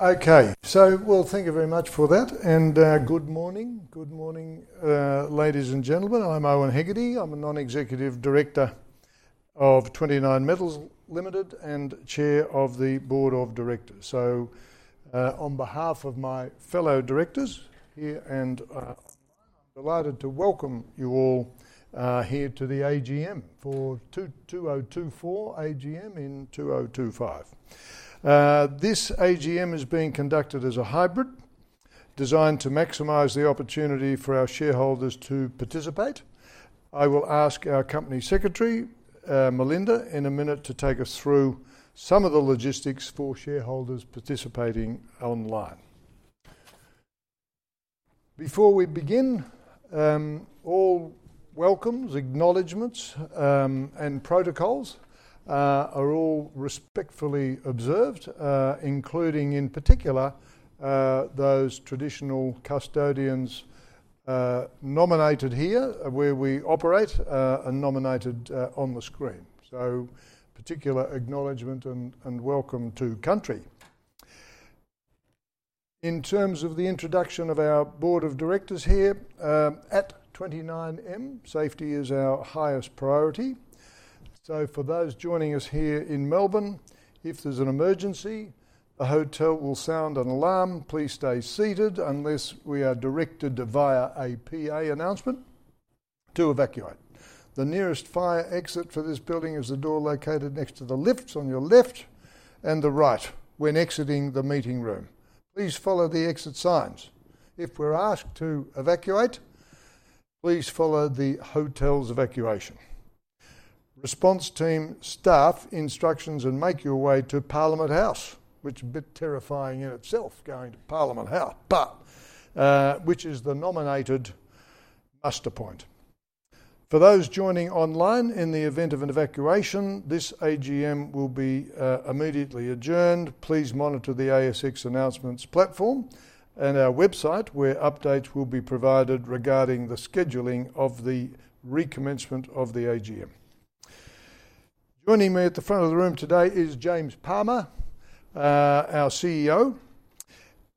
Okay, thank you very much for that. Good morning, ladies and gentlemen. I'm Owen Hegarty. I'm a non-executive director of 29Metals Limited and Chair of the Board of Directors. On behalf of my fellow directors here, I'm delighted to welcome you all here to the AGM for 2024 AGM in 2025. This AGM is being conducted as a hybrid, designed to maximize the opportunity for our shareholders to participate. I will ask our Company Secretary, Melinda, in a minute to take us through some of the logistics for shareholders participating online. Before we begin, all welcomes, acknowledgments, and protocols are all respectfully observed, including in particular those traditional custodians nominated here where we operate and nominated on the screen. Particular acknowledgment and welcome to country. In terms of the introduction of our board of directors here, at 29Metals, safety is our highest priority. For those joining us here in Melbourne, if there's an emergency, the hotel will sound an alarm. Please stay seated unless we are directed via a PA announcement to evacuate. The nearest fire exit for this building is the door located next to the lifts on your left and the right when exiting the meeting room. Please follow the exit signs. If we're asked to evacuate, please follow the hotel's evacuation response team staff instructions and make your way to Parliament House, which is a bit terrifying in itself, going to Parliament House, but which is the nominated muster point. For those joining online, in the event of an evacuation, this AGM will be immediately adjourned. Please monitor the ASX announcements platform and our website where updates will be provided regarding the scheduling of the recommencement of the AGM. Joining me at the front of the room today is James Palmer, our CEO,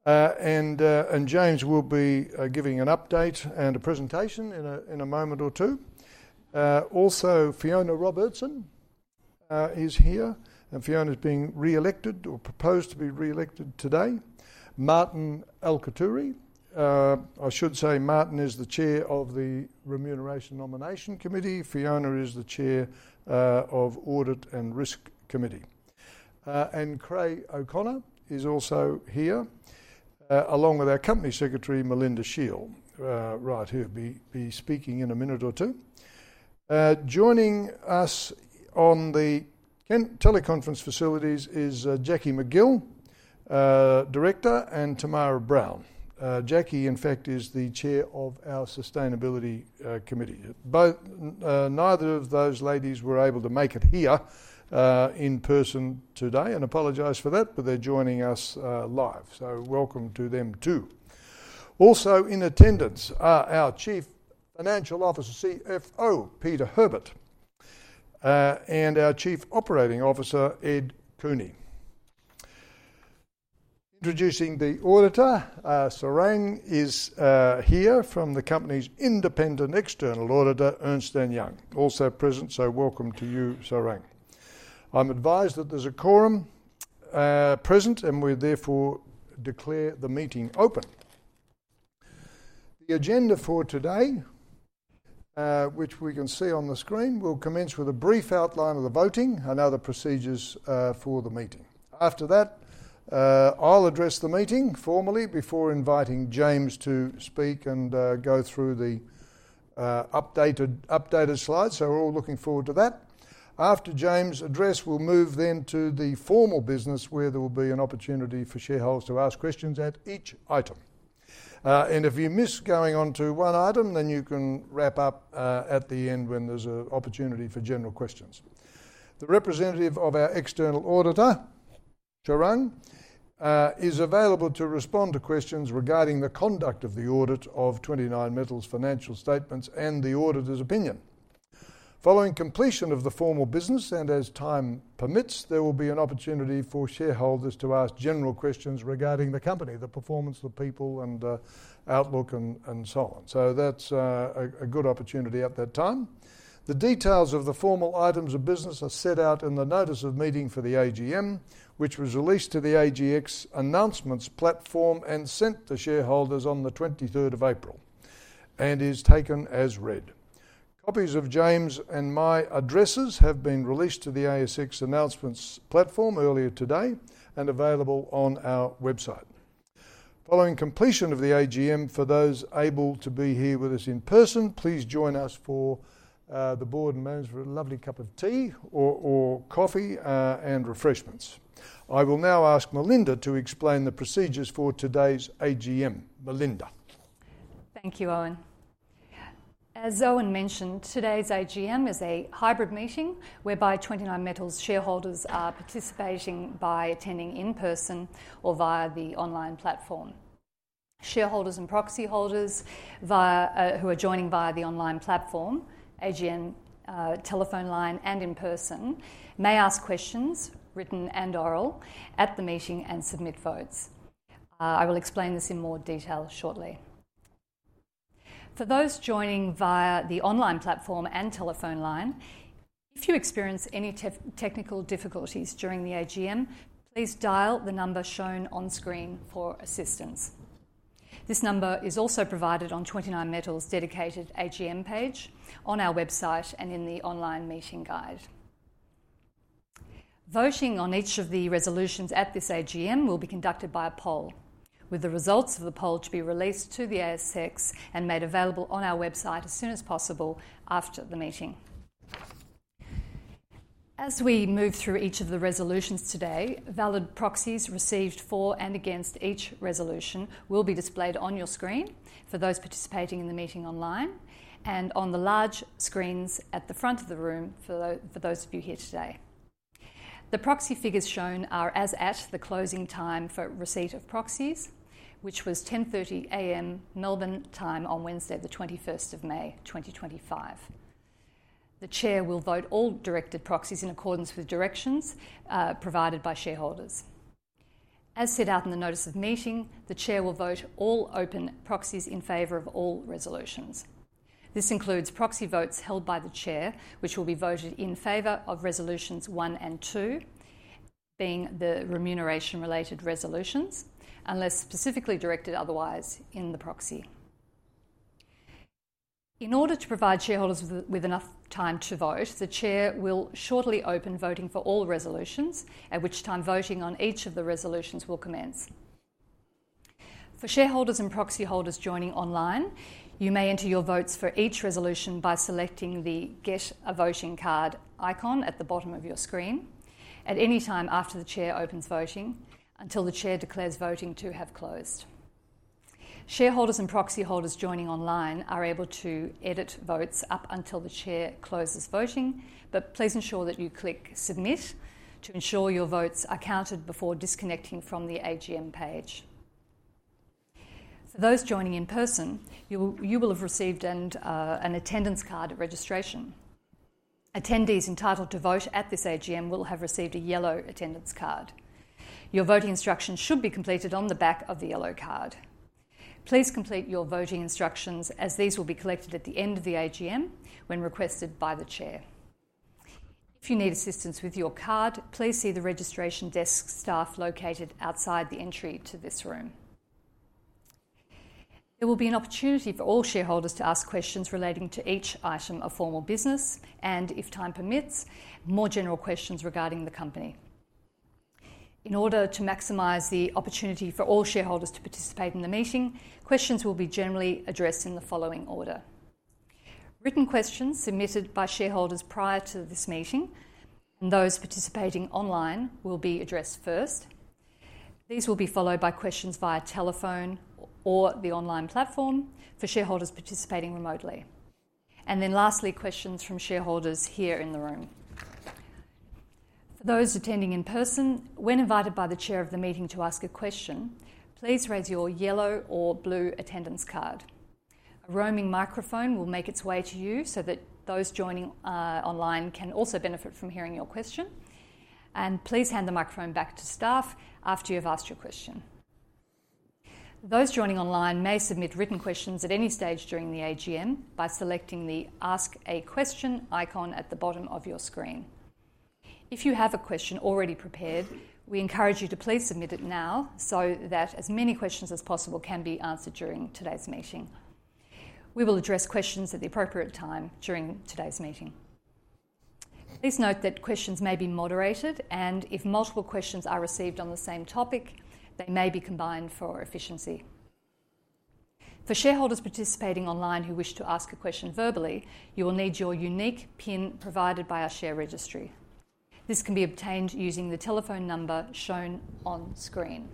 and James will be giving an update and a presentation in a moment or two. Also, Fiona Robertson is here, and Fiona is being reelected or proposed to be reelected today. Martin Alciaturi, I should say, Martin is the Chair of the Remuneration Nomination Committee. Fiona is the Chair of Audit and Risk Committee. Creagh O'Connor is also here, along with our Company Secretary, Melinda Shiell, who will be speaking in a minute or two. Joining us on the teleconference facilities is Jackie McGill, Director, and Tamara Brown. Jackie, in fact, is the Chair of our Sustainability Committee. Neither of those ladies were able to make it here in person today and apologize for that, but they're joining us live. So, welcome to them too. Also, in attendance are our Chief Financial Officer, CFO, Peter Herbert, and our Chief Operating Officer, Ed Cooney. Introducing the auditor, Suren, is here from the company's independent external auditor, Ernst & Young, also present. So, welcome to you, Suren. I'm advised that there's a quorum present, and we therefore declare the meeting open. The agenda for today, which we can see on the screen, will commence with a brief outline of the voting and other procedures for the meeting. After that, I'll address the meeting formally before inviting James to speak and go through the updated slides. So, we're all looking forward to that. After James' address, we'll move then to the formal business where there will be an opportunity for shareholders to ask questions at each item. If you miss going on to one item, then you can wrap up at the end when there's an opportunity for general questions. The representative of our external auditor, Suren, is available to respond to questions regarding the conduct of the audit of 29Metals' financial statements and the auditor's opinion. Following completion of the formal business and as time permits, there will be an opportunity for shareholders to ask general questions regarding the company, the performance of people, and outlook, and so on. That's a good opportunity at that time. The details of the formal items of business are set out in the notice of meeting for the AGM, which was released to the ASX announcements platform and sent to shareholders on the 23rd of April and is taken as read. Copies of James' and my addresses have been released to the ASX announcements platform earlier today and available on our website. Following completion of the AGM, for those able to be here with us in person, please join us for the board and management for a lovely cup of tea or coffee and refreshments. I will now ask Melinda to explain the procedures for today's AGM. Melinda. Thank you, Owen. As Owen mentioned, today's AGM is a hybrid meeting whereby 29Metals shareholders are participating by attending in person or via the online platform. Shareholders and proxy holders who are joining via the online platform, AGM telephone line, and in person may ask questions, written and oral, at the meeting and submit votes. I will explain this in more detail shortly. For those joining via the online platform and telephone line, if you experience any technical difficulties during the AGM, please dial the number shown on screen for assistance. This number is also provided on 29Metals' dedicated AGM page on our website and in the online meeting guide. Voting on each of the resolutions at this AGM will be conducted by a poll, with the results of the poll to be released to the ASX and made available on our website as soon as possible after the meeting. As we move through each of the resolutions today, valid proxies received for and against each resolution will be displayed on your screen for those participating in the meeting online and on the large screens at the front of the room for those of you here today. The proxy figures shown are as at the closing time for receipt of proxies, which was 10:30 A.M. Melbourne time on Wednesday, the 21st of May, 2025. The Chair will vote all directed proxies in accordance with directions provided by shareholders. As set out in the notice of meeting, the Chair will vote all open proxies in favor of all resolutions. This includes proxy votes held by the chair, which will be voted in favor of resolutions one and two, being the remuneration-related resolutions, unless specifically directed otherwise in the proxy. In order to provide shareholders with enough time to vote, the chair will shortly open voting for all resolutions, at which time voting on each of the resolutions will commence. For shareholders and proxy holders joining online, you may enter your votes for each resolution by selecting the Get a Voting Card icon at the bottom of your screen at any time after the chair opens voting until the chair declares voting to have closed. Shareholders and proxy holders joining online are able to edit votes up until the chair closes voting, but please ensure that you click Submit to ensure your votes are counted before disconnecting from the AGM page. For those joining in person, you will have received an attendance card at registration. Attendees entitled to vote at this AGM will have received a yellow attendance card. Your voting instructions should be completed on the back of the yellow card. Please complete your voting instructions as these will be collected at the end of the AGM when requested by the Chair. If you need assistance with your card, please see the registration desk staff located outside the entry to this room. There will be an opportunity for all shareholders to ask questions relating to each item of formal business and, if time permits, more general questions regarding the company. In order to maximize the opportunity for all shareholders to participate in the meeting, questions will be generally addressed in the following order. Written questions submitted by shareholders prior to this meeting and those participating online will be addressed first. These will be followed by questions via telephone or the online platform for shareholders participating remotely. Lastly, questions from shareholders here in the room. For those attending in person, when invited by the Chair of the meeting to ask a question, please raise your yellow or blue attendance card. A roaming microphone will make its way to you so that those joining online can also benefit from hearing your question. Please hand the microphone back to staff after you have asked your question. Those joining online may submit written questions at any stage during the AGM by selecting the Ask a Question icon at the bottom of your screen. If you have a question already prepared, we encourage you to please submit it now so that as many questions as possible can be answered during today's meeting. We will address questions at the appropriate time during today's meeting. Please note that questions may be moderated, and if multiple questions are received on the same topic, they may be combined for efficiency. For shareholders participating online who wish to ask a question verbally, you will need your unique PIN provided by our share registry. This can be obtained using the telephone number shown on screen.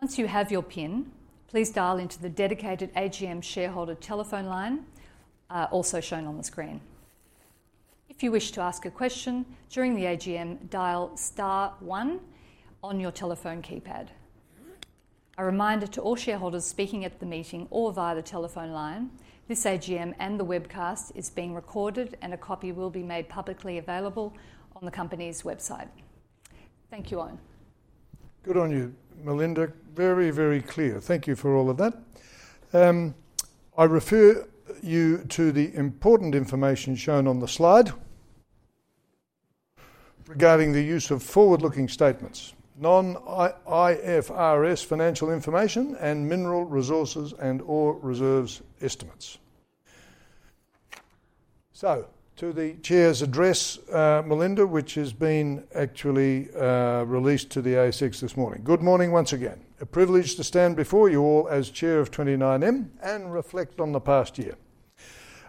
Once you have your PIN, please dial into the dedicated AGM shareholder telephone line also shown on the screen. If you wish to ask a question during the AGM, dial star one on your telephone keypad. A reminder to all shareholders speaking at the meeting or via the telephone line, this AGM and the webcast is being recorded, and a copy will be made publicly available on the company's website. Thank you, Owen. Good on you, Melinda. Very, very clear. Thank you for all of that. I refer you to the important information shown on the slide regarding the use of forward-looking statements, non-IFRS financial information, and mineral resources and/or reserves estimates. To the chair's address, Melinda, which has been actually released to the ASX this morning. Good morning once again. A privilege to stand before you all as chair of 29Metals and reflect on the past year,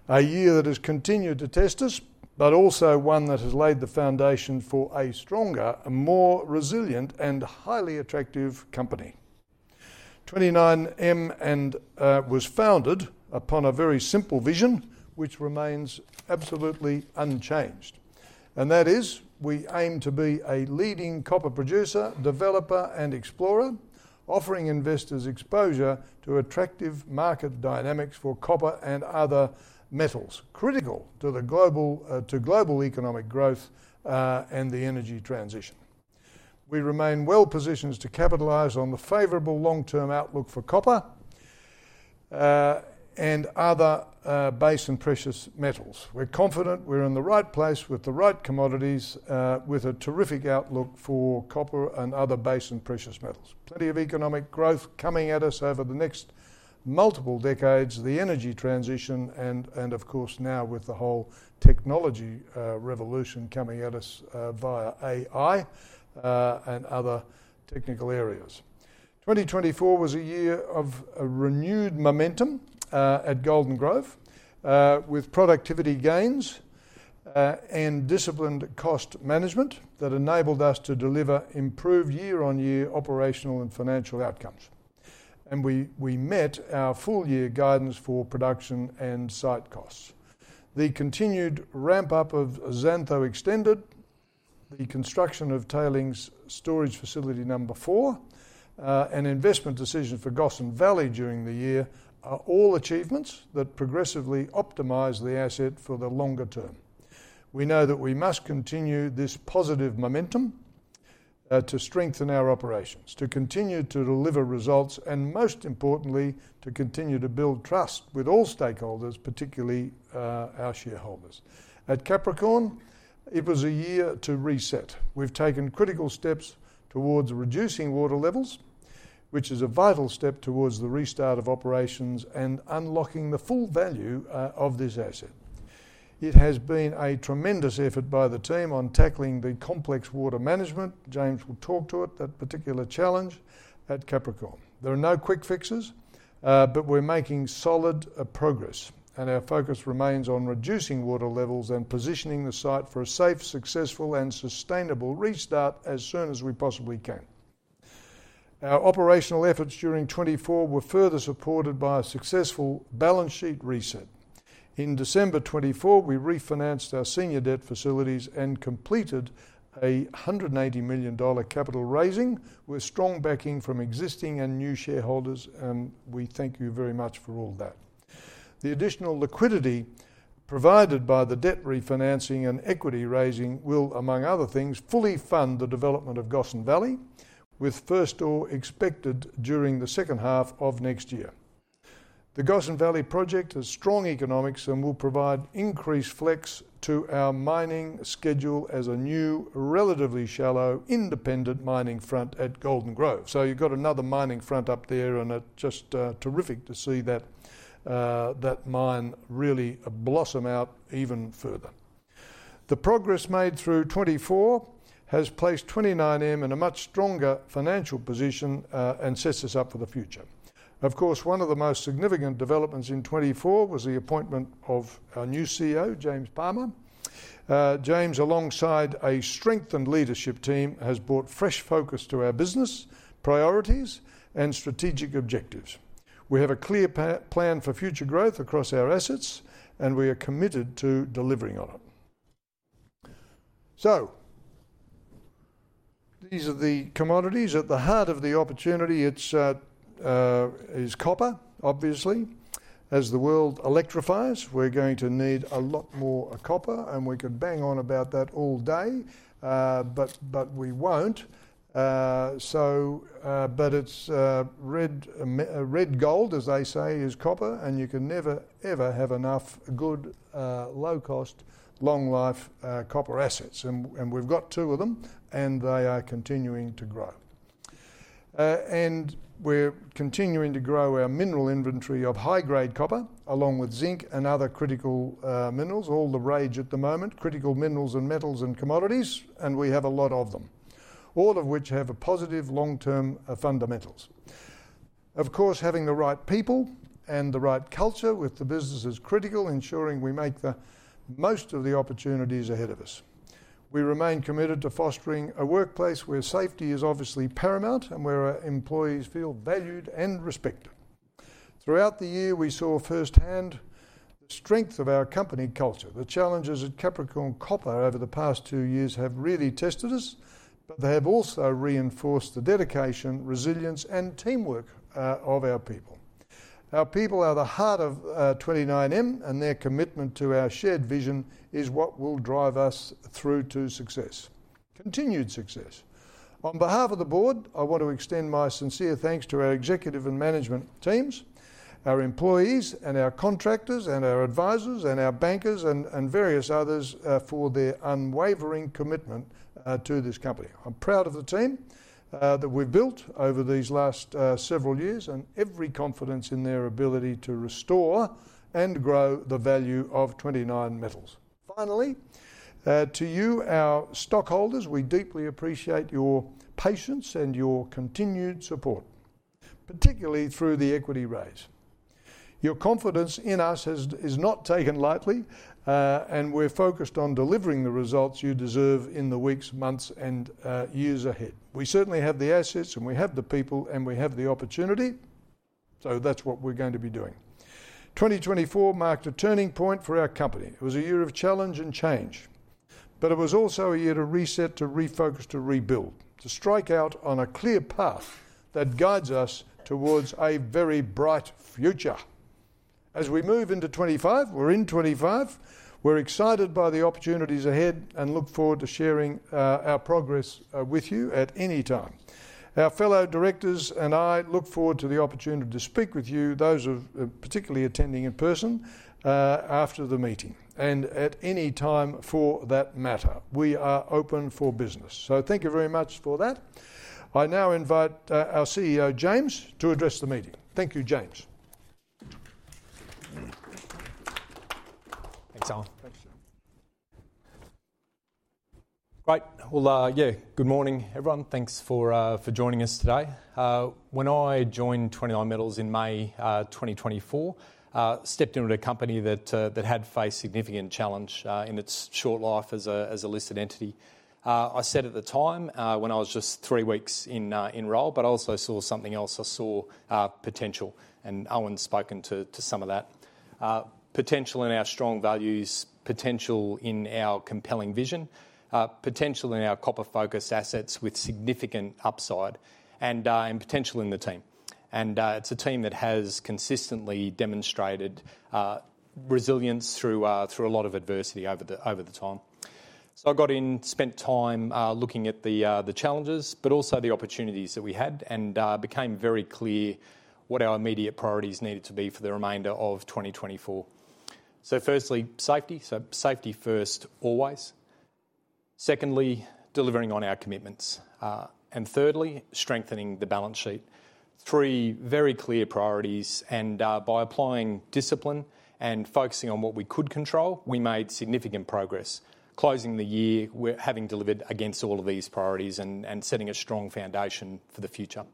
a year that has continued to test us, but also one that has laid the foundation for a stronger, more resilient, and highly attractive company. 29Metals was founded upon a very simple vision, which remains absolutely unchanged, and that is we aim to be a leading copper producer, developer, and explorer, offering investors exposure to attractive market dynamics for copper and other metals critical to global economic growth and the energy transition. We remain well positioned to capitalize on the favorable long-term outlook for copper and other base and precious metals. We're confident we're in the right place with the right commodities, with a terrific outlook for copper and other base and precious metals. Plenty of economic growth coming at us over the next multiple decades, the energy transition, and of course, now with the whole technology revolution coming at us via AI and other technical areas. 2024 was a year of renewed momentum at Golden Grove, with productivity gains and disciplined cost management that enabled us to deliver improved year-on-year operational and financial outcomes. We met our full-year guidance for production and site costs. The continued ramp-up of Xantho Extended, the construction of Tailings Storage Facility 4, and investment decisions for Gossan Valley during the year are all achievements that progressively optimize the asset for the longer term. We know that we must continue this positive momentum to strengthen our operations, to continue to deliver results, and most importantly, to continue to build trust with all stakeholders, particularly our shareholders. At Capricorn, it was a year to reset. We have taken critical steps towards reducing water levels, which is a vital step towards the restart of operations and unlocking the full value of this asset. It has been a tremendous effort by the team on tackling the complex water management. James will talk to it, that particular challenge at Capricorn. There are no quick fixes, but we are making solid progress, and our focus remains on reducing water levels and positioning the site for a safe, successful, and sustainable restart as soon as we possibly can. Our operational efforts during 2024 were further supported by a successful balance sheet reset. In December 2024, we refinanced our senior debt facilities and completed an 180 million dollar capital raising with strong backing from existing and new shareholders, and we thank you very much for all that. The additional liquidity provided by the debt refinancing and equity raising will, among other things, fully fund the development of Gossan Valley, with first stope expected during the second half of next year. The Gossan Valley project has strong economics and will provide increased flex to our mining schedule as a new, relatively shallow, independent mining front at Golden Grove. You have got another mining front up there, and it is just terrific to see that mine really blossom out even further. The progress made through 2024 has placed 29Metals in a much stronger financial position and sets us up for the future. Of course, one of the most significant developments in 2024 was the appointment of our new CEO, James Palmer. James, alongside a strengthened leadership team, has brought fresh focus to our business priorities and strategic objectives. We have a clear plan for future growth across our assets, and we are committed to delivering on it. These are the commodities at the heart of the opportunity. It is copper, obviously. As the world electrifies, we are going to need a lot more copper, and we could bang on about that all day, but we will not. Red gold, as they say, is copper, and you can never, ever have enough good, low-cost, long-life copper assets. We have two of them, and they are continuing to grow. We are continuing to grow our mineral inventory of high-grade copper, along with zinc and other critical minerals, all the rage at the moment, critical minerals and metals and commodities, and we have a lot of them, all of which have positive long-term fundamentals. Of course, having the right people and the right culture with the business is critical, ensuring we make the most of the opportunities ahead of us. We remain committed to fostering a workplace where safety is obviously paramount and where our employees feel valued and respected. Throughout the year, we saw firsthand the strength of our company culture. The challenges at Capricorn Copper over the past two years have really tested us, but they have also reinforced the dedication, resilience, and teamwork of our people. Our people are the heart of 29Metals, and their commitment to our shared vision is what will drive us through to success, continued success. On behalf of the board, I want to extend my sincere thanks to our executive and management teams, our employees, and our contractors, and our advisors, and our bankers, and various others for their unwavering commitment to this company. I'm proud of the team that we've built over these last several years and every confidence in their ability to restore and grow the value of 29Metals. Finally, to you, our stockholders, we deeply appreciate your patience and your continued support, particularly through the equity raise. Your confidence in us is not taken lightly, and we're focused on delivering the results you deserve in the weeks, months, and years ahead. We certainly have the assets, and we have the people, and we have the opportunity, so that's what we're going to be doing. 2024 marked a turning point for our company. It was a year of challenge and change, but it was also a year to reset, to refocus, to rebuild, to strike out on a clear path that guides us towards a very bright future. As we move into 2025, we're in 2025, we're excited by the opportunities ahead and look forward to sharing our progress with you at any time. Our fellow directors and I look forward to the opportunity to speak with you, those who are particularly attending in person, after the meeting and at any time for that matter. We are open for business. Thank you very much for that. I now invite our CEO, James, to address the meeting. Thank you, James. Thanks, Owen. Thanks, James. Right. Yeah, good morning, everyone. Thanks for joining us today. When I joined 29Metals in May 2024, I stepped into a company that had faced significant challenge in its short life as a listed entity. I said at the time when I was just three weeks in role, but I also saw something else. I saw potential, and Owen's spoken to some of that. Potential in our strong values, potential in our compelling vision, potential in our copper-focused assets with significant upside, and potential in the team. It's a team that has consistently demonstrated resilience through a lot of adversity over the time. I got in, spent time looking at the challenges, but also the opportunities that we had, and became very clear what our immediate priorities needed to be for the remainder of 2024. Firstly, safety. Safety first always. Secondly, delivering on our commitments. Thirdly, strengthening the balance sheet. Three very clear priorities, and by applying discipline and focusing on what we could control, we made significant progress. Closing the year, we are having delivered against all of these priorities and setting a strong foundation for the future.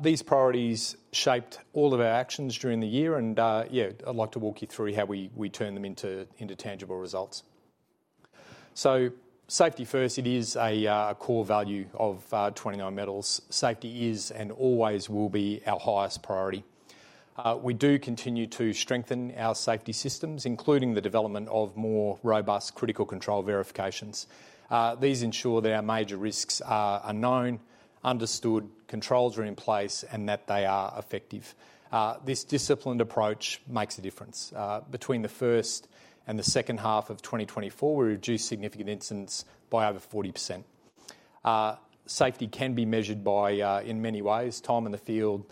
These priorities shaped all of our actions during the year, and yeah, I'd like to walk you through how we turn them into tangible results. Safety first, it is a core value of 29Metals. Safety is and always will be our highest priority. We do continue to strengthen our safety systems, including the development of more robust critical control verifications. These ensure that our major risks are known, understood, controls are in place, and that they are effective. This disciplined approach makes a difference. Between the first and the second half of 2024, we reduced significant incidents by over 40%. Safety can be measured in many ways: time in the field,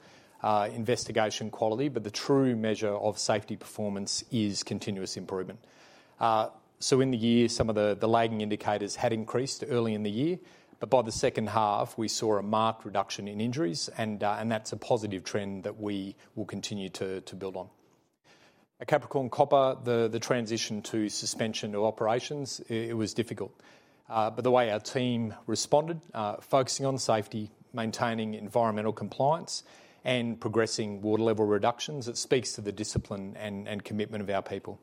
investigation quality, but the true measure of safety performance is continuous improvement. In the year, some of the lagging indicators had increased early in the year, but by the second half, we saw a marked reduction in injuries, and that's a positive trend that we will continue to build on. At Capricorn Copper, the transition to suspension of operations, it was difficult. The way our team responded, focusing on safety, maintaining environmental compliance, and progressing water level reductions, it speaks to the discipline and commitment of our people.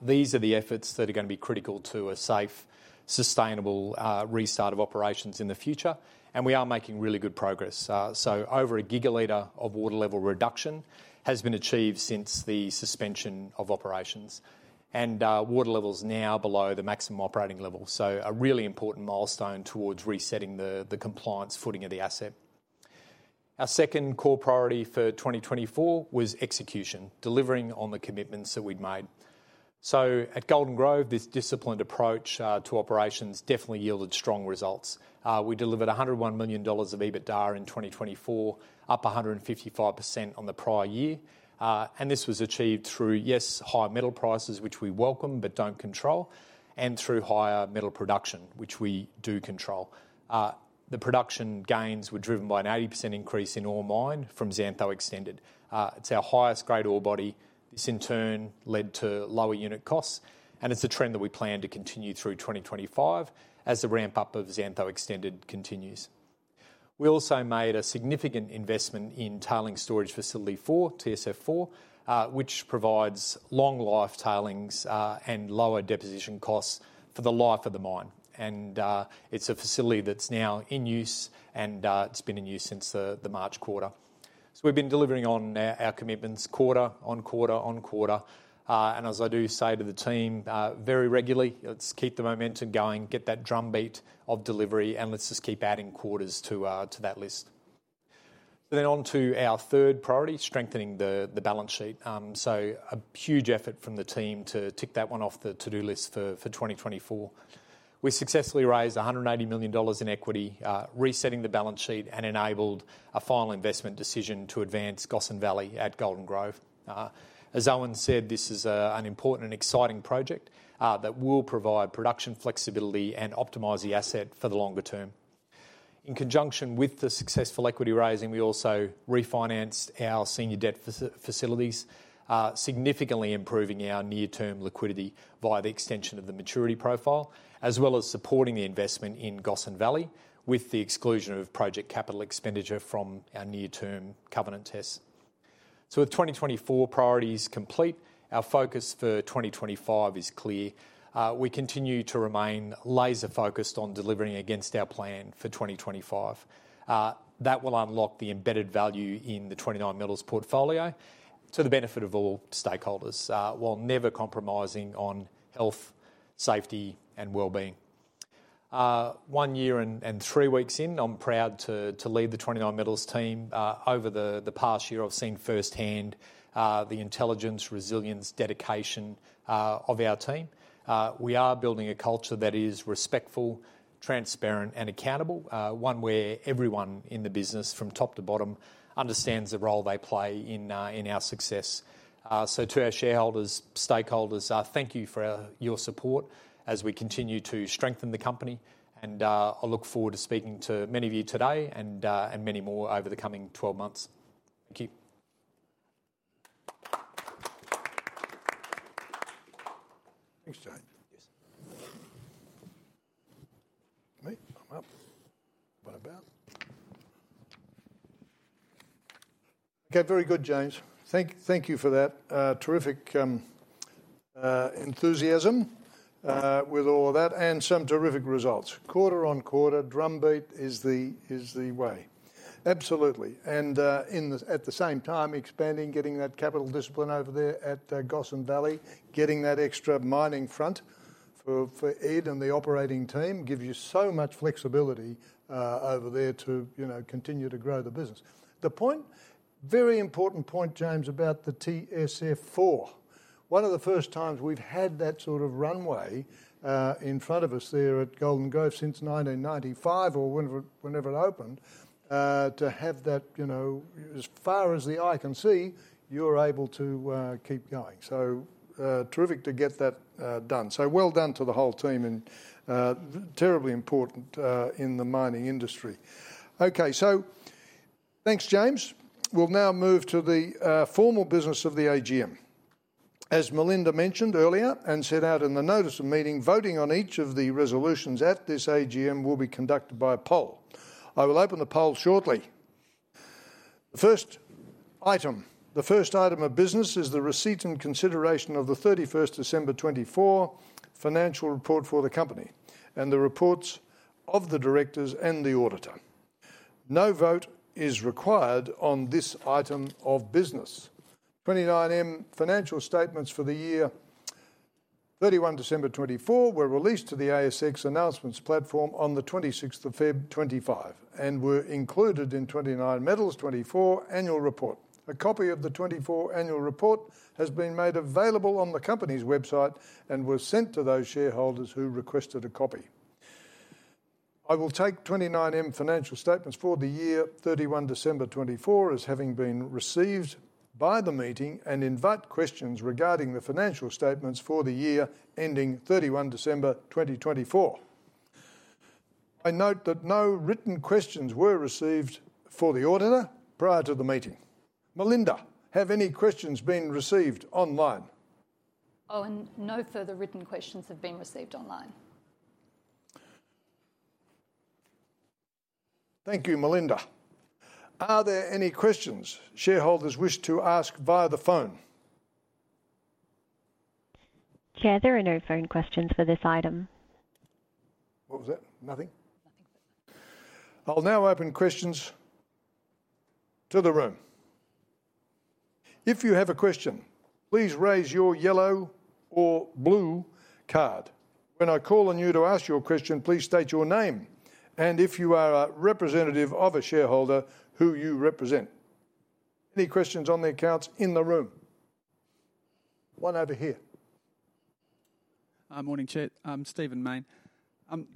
These are the efforts that are going to be critical to a safe, sustainable restart of operations in the future, and we are making really good progress. Over a gigalitre of water level reduction has been achieved since the suspension of operations, and water level is now below the maximum operating level. A really important milestone towards resetting the compliance footing of the asset. Our second core priority for 2024 was execution, delivering on the commitments that we'd made. At Golden Grove, this disciplined approach to operations definitely yielded strong results. We delivered 101 million dollars of EBITDA in 2024, up 155% on the prior year. This was achieved through, yes, higher metal prices, which we welcome but do not control, and through higher metal production, which we do control. The production gains were driven by an 80% increase in ore mined from Xantho Extended. It is our highest-grade ore body. This, in turn, led to lower unit costs, and it's a trend that we plan to continue through 2025 as the ramp-up of Xantho Extended continues. We also made a significant investment in Tailings Storage Facility 4, TSF4, which provides long-life tailings and lower deposition costs for the life of the mine. It's a facility that's now in use, and it's been in use since the March quarter. We've been delivering on our commitments quarter on quarter on quarter. As I do say to the team very regularly, let's keep the momentum going, get that drumbeat of delivery, and let's just keep adding quarters to that list. Then on to our third priority, strengthening the balance sheet. A huge effort from the team to tick that one off the to-do list for 2024. We successfully raised 180 million dollars in equity, resetting the balance sheet and enabled a final investment decision to advance Gossan Valley at Golden Grove. As Owen said, this is an important and exciting project that will provide production flexibility and optimize the asset for the longer term. In conjunction with the successful equity raising, we also refinanced our senior debt facilities, significantly improving our near-term liquidity via the extension of the maturity profile, as well as supporting the investment in Gossan Valley with the exclusion of project capital expenditure from our near-term covenant tests. With 2024 priorities complete, our focus for 2025 is clear. We continue to remain laser-focused on delivering against our plan for 2025. That will unlock the embedded value in the 29Metals portfolio to the benefit of all stakeholders while never compromising on health, safety, and well-being. One year and three weeks in, I'm proud to lead the 29Metals team. Over the past year, I've seen firsthand the intelligence, resilience, dedication of our team. We are building a culture that is respectful, transparent, and accountable, one where everyone in the business, from top to bottom, understands the role they play in our success. To our shareholders, stakeholders, thank you for your support as we continue to strengthen the company. I look forward to speaking to many of you today and many more over the coming 12 months. Thank you. Thanks, James. Yes. Me? I'm up. What about? Okay, very good, James. Thank you for that terrific enthusiasm with all of that and some terrific results. Quarter on quarter, drumbeat is the way. Absolutely. At the same time, expanding, getting that capital discipline over there at Gossan Valley, getting that extra mining front for Ed and the operating team gives you so much flexibility over there to continue to grow the business. The point, very important point, James, about the TSF4, one of the first times we've had that sort of runway in front of us there at Golden Grove since 1995 or whenever it opened, to have that, as far as the eye can see, you're able to keep going. Terrific to get that done. Well done to the whole team and terribly important in the mining industry. Okay, thanks, James. We'll now move to the formal business of the AGM. As Melinda mentioned earlier and set out in the notice of meeting, voting on each of the resolutions at this AGM will be conducted by a poll. I will open the poll shortly. The first item of business is the receipt and consideration of the 31 December 2024 financial report for the company and the reports of the directors and the auditor. No vote is required on this item of business. 29Metals financial statements for the year 31 December 2024 were released to the ASX announcements platform on 26 February 2025 and were included in 29Metals 2024 annual report. A copy of the 2024 annual report has been made available on the company's website and was sent to those shareholders who requested a copy. I will take 29Metals financial statements for the year 31st December 2024 as having been received by the meeting and invite questions regarding the financial statements for the year ending 31st December 2024. I note that no written questions were received for the auditor prior to the meeting. Melinda, have any questions been received online? Owen, no further written questions have been received online. Thank you, Melinda. Are there any questions shareholders wish to ask via the phone? Yeah, there are no phone questions for this item. What was that? Nothing? Nothing. I'll now open questions to the room. If you have a question, please raise your yellow or blue card. When I call on you to ask your question, please state your name and if you are a representative of a shareholder who you represent. Any questions on the accounts in the room? One over here. Hi, morning chat. I'm Stephen Mayne.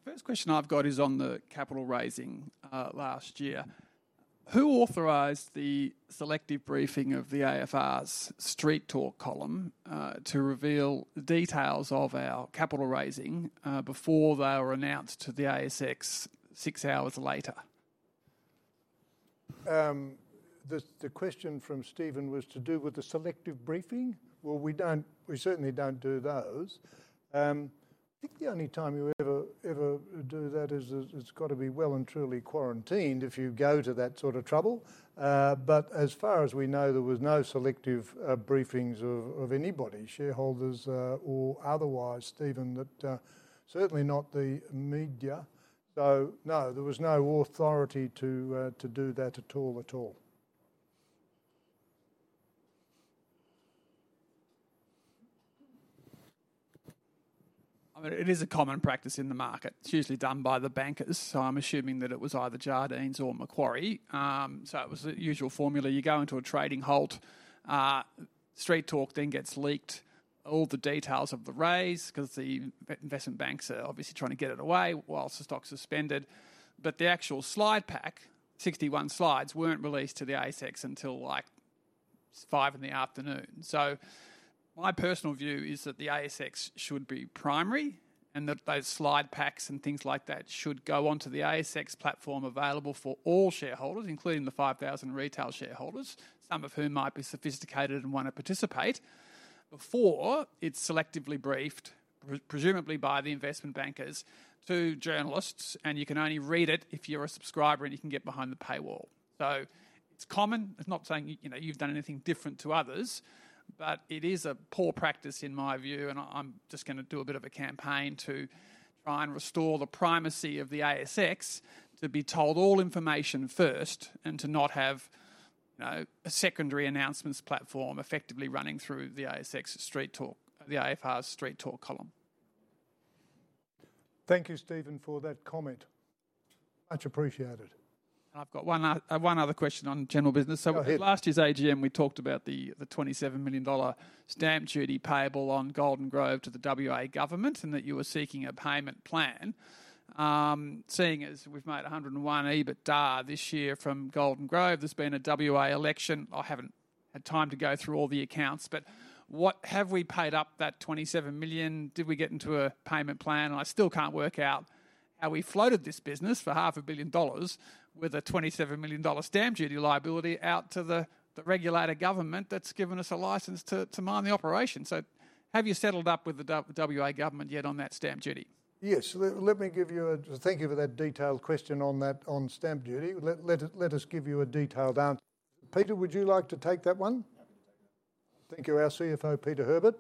First question I've got is on the capital raising last year. Who authorized the selective briefing of the AFR's Street Talk column to reveal details of our capital raising before they were announced to the ASX six hours later? The question from Stephen was to do with the selective briefing. We certainly do not do those. I think the only time you ever do that is it has got to be well and truly quarantined if you go to that sort of trouble. As far as we know, there were no selective briefings of anybody, shareholders or otherwise, Stephen, certainly not the media. No, there was no authority to do that at all, at all. I mean, it is a common practice in the market. It's usually done by the bankers. I'm assuming that it was either Jarden or Macquarie. It was the usual formula. You go into a trading halt, street talk then gets leaked, all the details of the raise because the investment banks are obviously trying to get it away whilst the stock's suspended. The actual slide pack, 61 slides, was not released to the ASX until like 5:00 P.M. My personal view is that the ASX should be primary and that those slide packs and things like that should go onto the ASX platform available for all shareholders, including the 5,000 retail shareholders, some of whom might be sophisticated and want to participate, before it's selectively briefed, presumably by the investment bankers, to journalists. You can only read it if you're a subscriber and you can get behind the paywall. It's common. It's not saying you've done anything different to others, but it is a poor practice in my view. I'm just going to do a bit of a campaign to try and restore the primacy of the ASX to be told all information first and to not have a secondary announcements platform effectively running through the ASX street talk, the AFR's street talk column. Thank you, Stephen, for that comment. Much appreciated. I've got one other question on general business. Last year's AGM, we talked about the 27 million dollar stamp duty payable on Golden Grove to the WA government and that you were seeking a payment plan. Seeing as we've made 101 million EBITDA this year from Golden Grove, there's been a WA election. I haven't had time to go through all the accounts, but what have we paid up that 27 million? Did we get into a payment plan? I still can't work out how we floated this business for 500 million dollars with an 27 million dollar stamp duty liability out to the regulator government that's given us a license to mine the operation. Have you settled up with the WA government yet on that stamp duty? Yes. Let me give you a thank you for that detailed question on stamp duty. Let us give you a detailed answer. Peter, would you like to take that one? Thank you. Our CFO, Peter Herbert.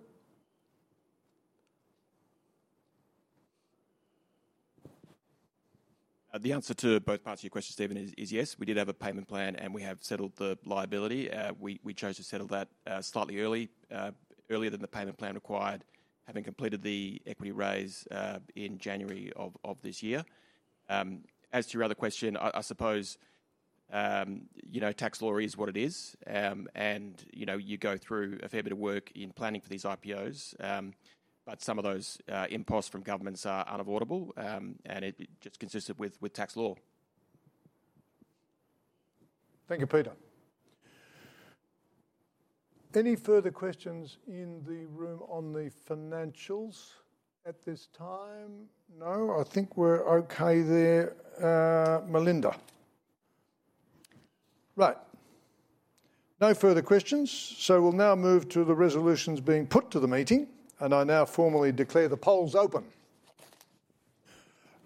The answer to both parts of your question, Stephen, is yes. We did have a payment plan and we have settled the liability. We chose to settle that slightly earlier, earlier than the payment plan required, having completed the equity raise in January of this year. As to your other question, I suppose tax law is what it is. You go through a fair bit of work in planning for these IPOs, but some of those imposts from governments are unavoidable and it just consists with tax law. Thank you, Peter. Any further questions in the room on the financials at this time? No. I think we're okay there. Melinda? Right. No further questions. We will now move to the resolutions being put to the meeting. I now formally declare the polls open.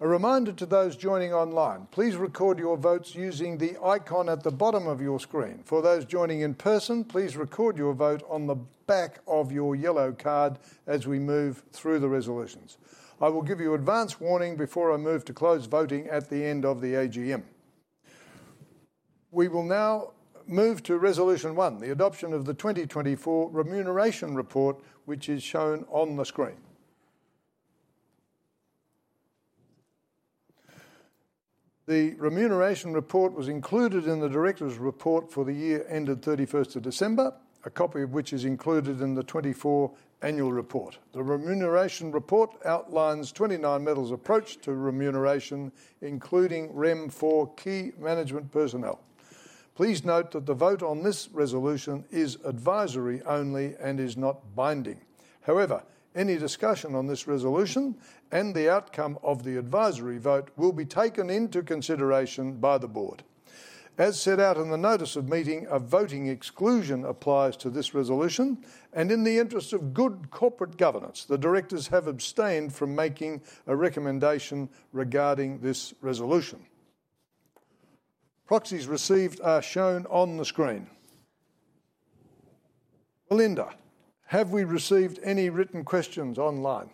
A reminder to those joining online, please record your votes using the icon at the bottom of your screen. For those joining in person, please record your vote on the back of your yellow card as we move through the resolutions. I will give you advance warning before I move to close voting at the end of the AGM. We will now move to resolution one, the adoption of the 2024 remuneration report, which is shown on the screen. The remuneration report was included in the directors' report for the year ended 31st of December, a copy of which is included in the 2024 annual report. The remuneration report outlines 29Metals' approach to remuneration, including REM for key management personnel. Please note that the vote on this resolution is advisory only and is not binding. However, any discussion on this resolution and the outcome of the advisory vote will be taken into consideration by the board. As set out in the notice of meeting, a voting exclusion applies to this resolution. In the interest of good corporate governance, the directors have abstained from making a recommendation regarding this resolution. Proxies received are shown on the screen. Melinda, have we received any written questions online?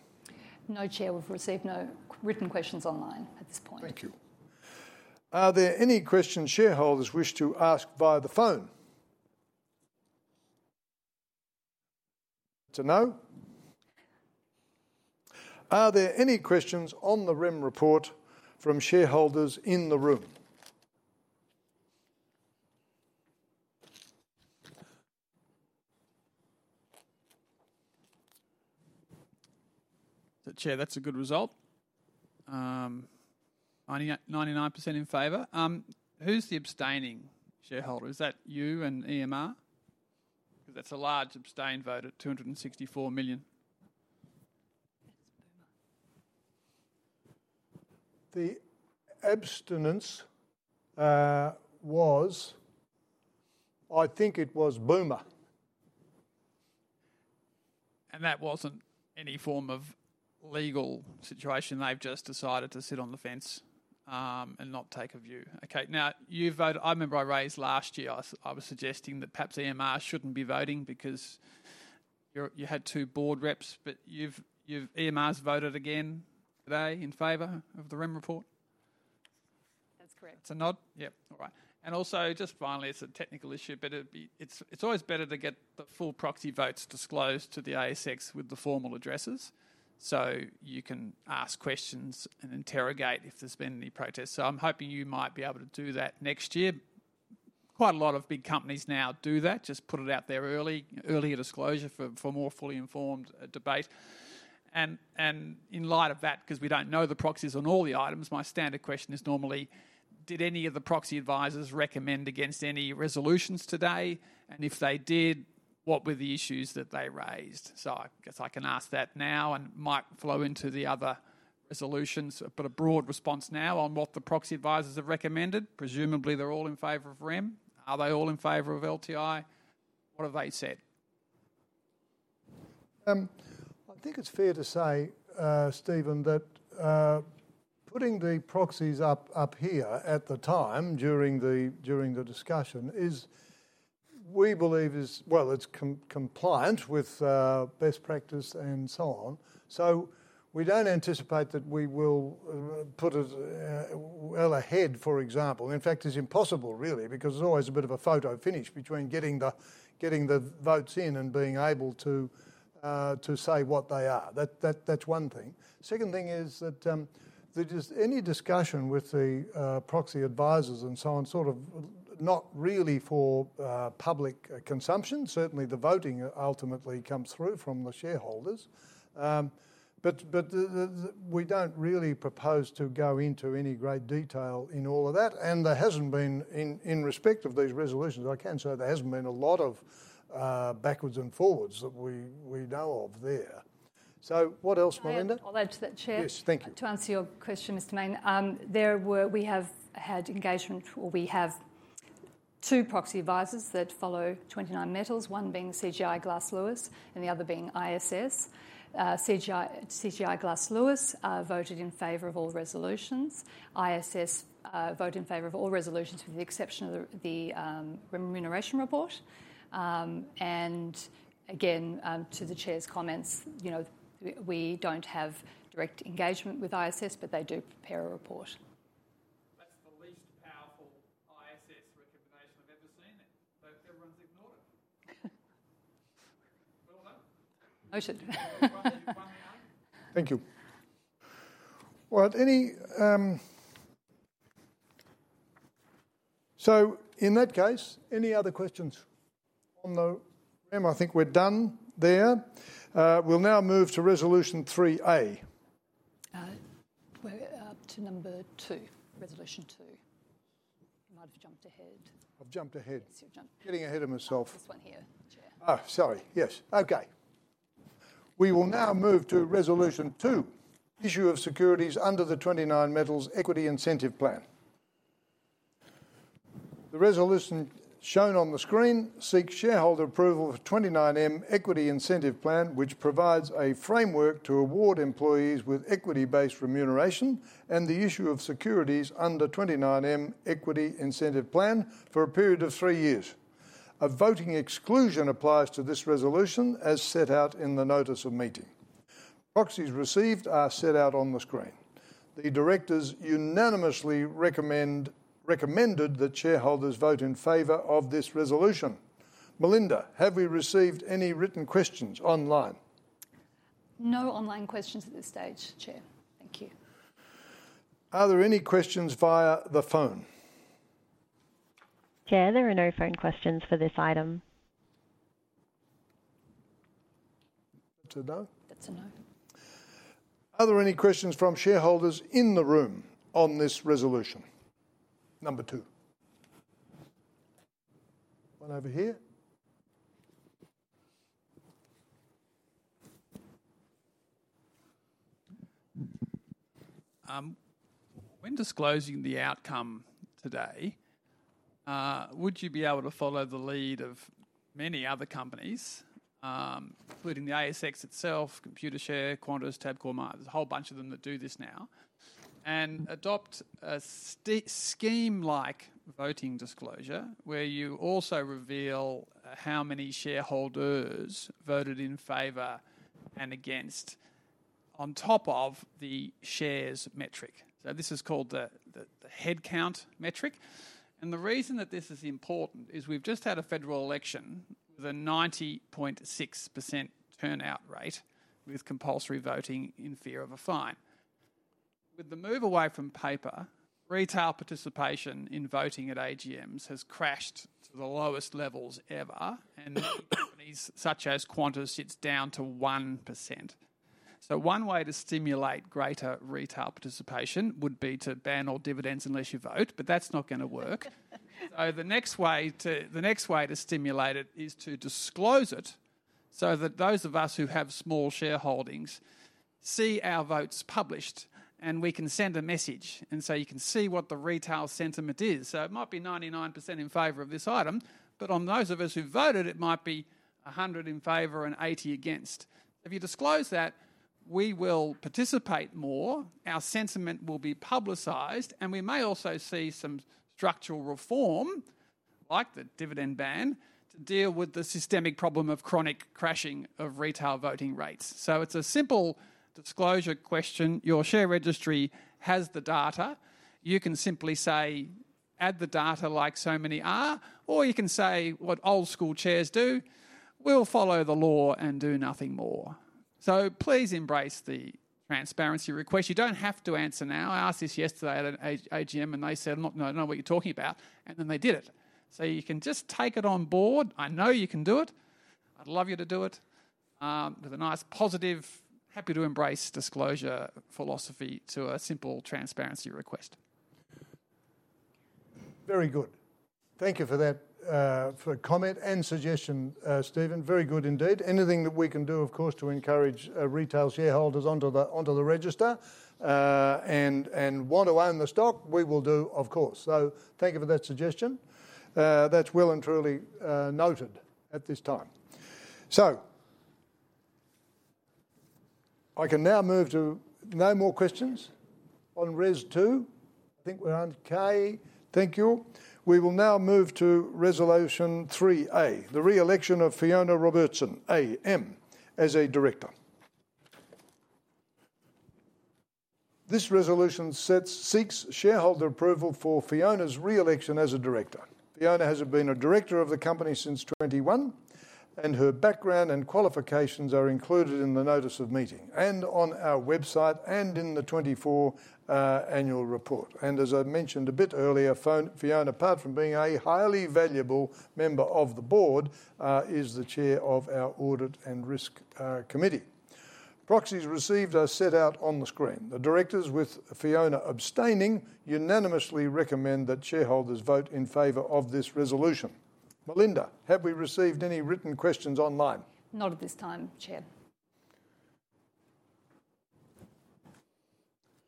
No, Chair. We've received no written questions online at this point. Thank you. Are there any questions shareholders wish to ask via the phone? To know? Are there any questions on the REM report from shareholders in the room? Chair, that's a good result. 99% in favor. Who's the abstaining shareholder? Is that you and EMR? Because that's a large abstain vote at 264 million. The abstinence was, I think it was Boab Metals. That was not any form of legal situation. They have just decided to sit on the fence and not take a view. Okay. Now, I remember I raised last year, I was suggesting that perhaps EMR should not be voting because you had two board reps, but EMR has voted again today in favor of the REM report. That's correct. That's a nod? Yep. All right. Also, just finally, it's a technical issue, but it's always better to get the full proxy votes disclosed to the ASX with the formal addresses so you can ask questions and interrogate if there's been any protests. I'm hoping you might be able to do that next year. Quite a lot of big companies now do that. Just put it out there early, earlier disclosure for more fully informed debate. In light of that, because we don't know the proxies on all the items, my standard question is normally, did any of the proxy advisors recommend against any resolutions today? If they did, what were the issues that they raised? I guess I can ask that now and it might flow into the other resolutions. A broad response now on what the proxy advisors have recommended. Presumably, they're all in favor of REM. Are they all in favor of LTI? What have they said? I think it's fair to say, Stephen, that putting the proxies up here at the time during the discussion is, we believe, is, well, it's compliant with best practice and so on. We don't anticipate that we will put it well ahead, for example. In fact, it's impossible really because it's always a bit of a photo finish between getting the votes in and being able to say what they are. That's one thing. Second thing is that any discussion with the proxy advisors and so on, sort of not really for public consumption. Certainly, the voting ultimately comes through from the shareholders. We don't really propose to go into any great detail in all of that. There hasn't been, in respect of these resolutions, I can say there hasn't been a lot of backwards and forwards that we know of there. What else, Melinda? I'll add to that, Chair. Yes, thank you. To answer your question, Mr. Mayne, we have had engagement, or we have two proxy advisors that follow 29Metals, one being CGI Glass Lewis and the other being ISS. CGI Glass Lewis voted in favor of all resolutions. ISS voted in favor of all resolutions with the exception of the remuneration report. Again, to the Chair's comments, we do not have direct engagement with ISS, but they do prepare a report. That's the least powerful ISS recommendation I've ever seen. Everyone's ignored it. Noted. Thank you. In that case, any other questions on the REM? I think we're done there. We'll now move to resolution 3A. We're up to number two, resolution two. You might have jumped ahead. I've jumped ahead. Getting ahead of myself. This one here, Chair. Oh, sorry. Yes. Okay. We will now move to resolution two, issue of securities under the 29Metals Equity Incentive Plan. The resolution shown on the screen seeks shareholder approval of 29Metals Equity Incentive Plan, which provides a framework to award employees with equity-based remuneration and the issue of securities under 29Metals Equity Incentive Plan for a period of three years. A voting exclusion applies to this resolution as set out in the notice of meeting. Proxies received are set out on the screen. The directors unanimously recommended that shareholders vote in favor of this resolution. Melinda, have we received any written questions online? No online questions at this stage, Chair. Thank you. Are there any questions via the phone? Chair, there are no phone questions for this item. To nod? That's a nod. Are there any questions from shareholders in the room on this resolution, number two? One over here. When disclosing the outcome today, would you be able to follow the lead of many other companies, including the ASX itself, Computershare, Qantas, Cormark, there is a whole bunch of them that do this now, and adopt a stick scheme-like voting disclosure where you also reveal how many shareholders voted in favor and against on top of the shares metric? This is called the headcount metric. The reason that this is important is we have just had a federal election with a 90.6% turnout rate with compulsory voting in fear of a fine. With the move away from paper, retail participation in voting at AGMs has crashed to the lowest levels ever, and companies such as Qantas are down to 1%. One way to stimulate greater retail participation would be to ban all dividends unless you vote, but that is not going to work. The next way to stimulate it is to disclose it so that those of us who have small shareholdings see our votes published and we can send a message and you can see what the retail sentiment is. It might be 99% in favor of this item, but on those of us who voted, it might be 100% in favor and 80% against. If you disclose that, we will participate more, our sentiment will be publicized, and we may also see some structural reform, like the dividend ban, to deal with the systemic problem of chronic crashing of retail voting rates. It is a simple disclosure question. Your share registry has the data. You can simply say, "Add the data," like so many are, or you can say what old-school chairs do, "We will follow the law and do nothing more." Please embrace the transparency request. You don't have to answer now. I asked this yesterday at an AGM and they said, "I don't know what you're talking about," and then they did it. You can just take it on board. I know you can do it. I'd love you to do it. There's a nice positive, happy to embrace disclosure philosophy to a simple transparency request. Very good. Thank you for that comment and suggestion, Stephen. Very good indeed. Anything that we can do, of course, to encourage retail shareholders onto the register and want to own the stock, we will do, of course. Thank you for that suggestion. That is well and truly noted at this time. I can now move to no more questions on res two. I think we are on K. Thank you. We will now move to resolution three-A, the re-election of Fiona Robertson, AM, as a director. This resolution seeks shareholder approval for Fiona's re-election as a director. Fiona has been a director of the company since 2021, and her background and qualifications are included in the notice of meeting and on our website and in the 2024 annual report. As I mentioned a bit earlier, Fiona, apart from being a highly valuable member of the board, is the Chair of our Audit and Risk Committee. Proxies received are set out on the screen. The directors, with Fiona abstaining, unanimously recommend that shareholders vote in favor of this resolution. Melinda, have we received any written questions online? Not at this time, Chair.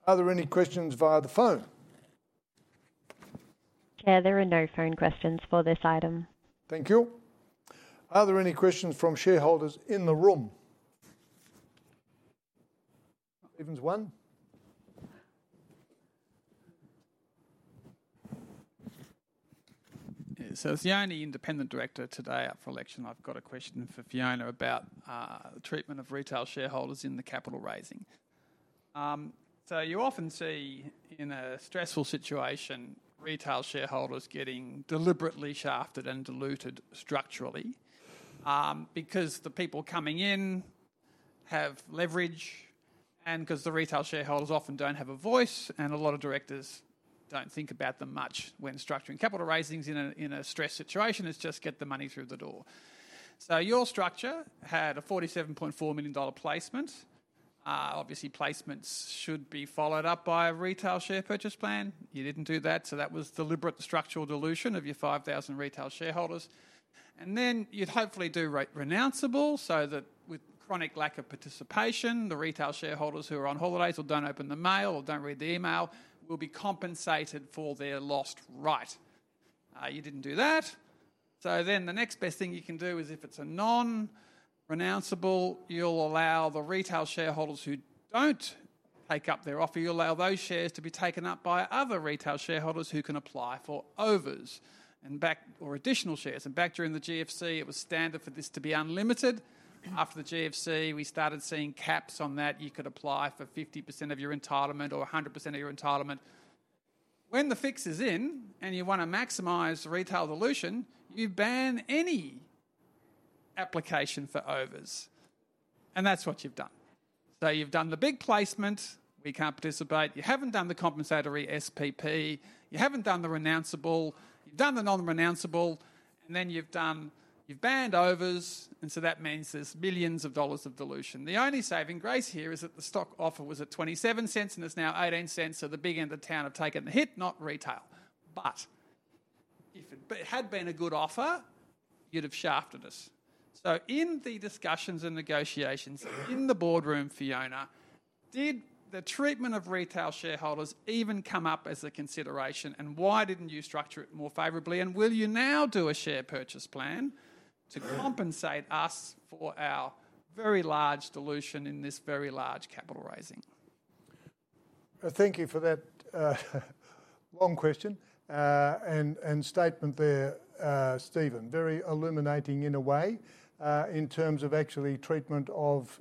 Are there any questions via the phone? Chair, there are no phone questions for this item. Thank you. Are there any questions from shareholders in the room? Not even one. As the only independent director today up for election, I've got a question for Fiona about the treatment of retail shareholders in the capital raising. You often see in a stressful situation retail shareholders getting deliberately shafted and diluted structurally because the people coming in have leverage and because the retail shareholders often do not have a voice, and a lot of directors do not think about them much when structuring capital raisings in a stress situation, it is just get the money through the door. Your structure had an 47.4 million dollar placement. Obviously, placements should be followed up by a retail share purchase plan. You did not do that, so that was deliberate structural dilution of your 5,000 retail shareholders. You'd hopefully do a rate renounceable so that with chronic lack of participation, the retail shareholders who are on holidays or do not open the mail or do not read the email will be compensated for their lost right. You did not do that. The next best thing you can do is if it is a non-renounceable, you will allow the retail shareholders who do not take up their offer, you will allow those shares to be taken up by other retail shareholders who can apply for overs and back or additional shares. Back during the GFC, it was standard for this to be unlimited. After the GFC, we started seeing caps on that. You could apply for 50% of your entitlement or 100% of your entitlement. When the fix is in and you want to maximize the retail dilution, you ban any application for overs. That is what you have done. So, you've done the big placement, "We can't participate." You haven't done the compensatory SPP. You haven't done the renounceable. You've done the non-renounceable, and then you've banned overs, and that means there's millions of dollars of dilution. The only saving grace here is that the stock offer was at 0.27 and it's now 0.18, so the big end of town have taken the hit, not retail. If it had been a good offer, you'd have shafted us. In the discussions and negotiations in the boardroom, Fiona, did the treatment of retail shareholders even come up as a consideration, and why didn't you structure it more favorably, and will you now do a share purchase plan to compensate us for our very large dilution in this very large capital raising? Thank you for that long question and statement there, Stephen. Very illuminating in a way in terms of actually treatment of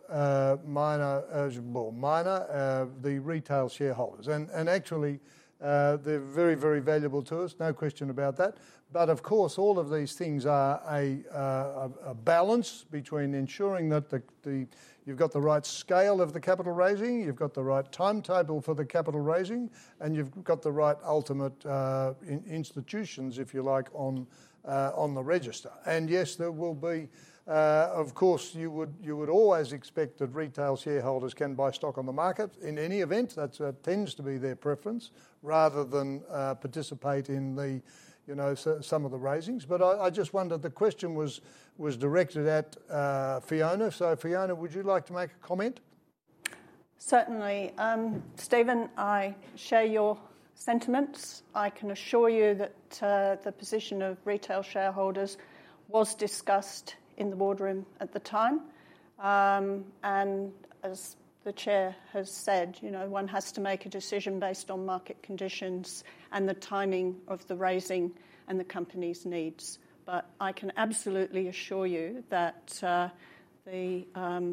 minor, or minor, the retail shareholders. Actually, they're very, very valuable to us, no question about that. Of course, all of these things are a balance between ensuring that you've got the right scale of the capital raising, you've got the right timetable for the capital raising, and you've got the right ultimate institutions, if you like, on the register. Yes, there will be, of course, you would always expect that retail shareholders can buy stock on the market in any event. That tends to be their preference rather than participate in some of the raisings. I just wondered, the question was directed at Fiona. Fiona, would you like to make a comment? Certainly. Stephen, I share your sentiments. I can assure you that the position of retail shareholders was discussed in the boardroom at the time. As the Chair has said, one has to make a decision based on market conditions and the timing of the raising and the company's needs. I can absolutely assure you that the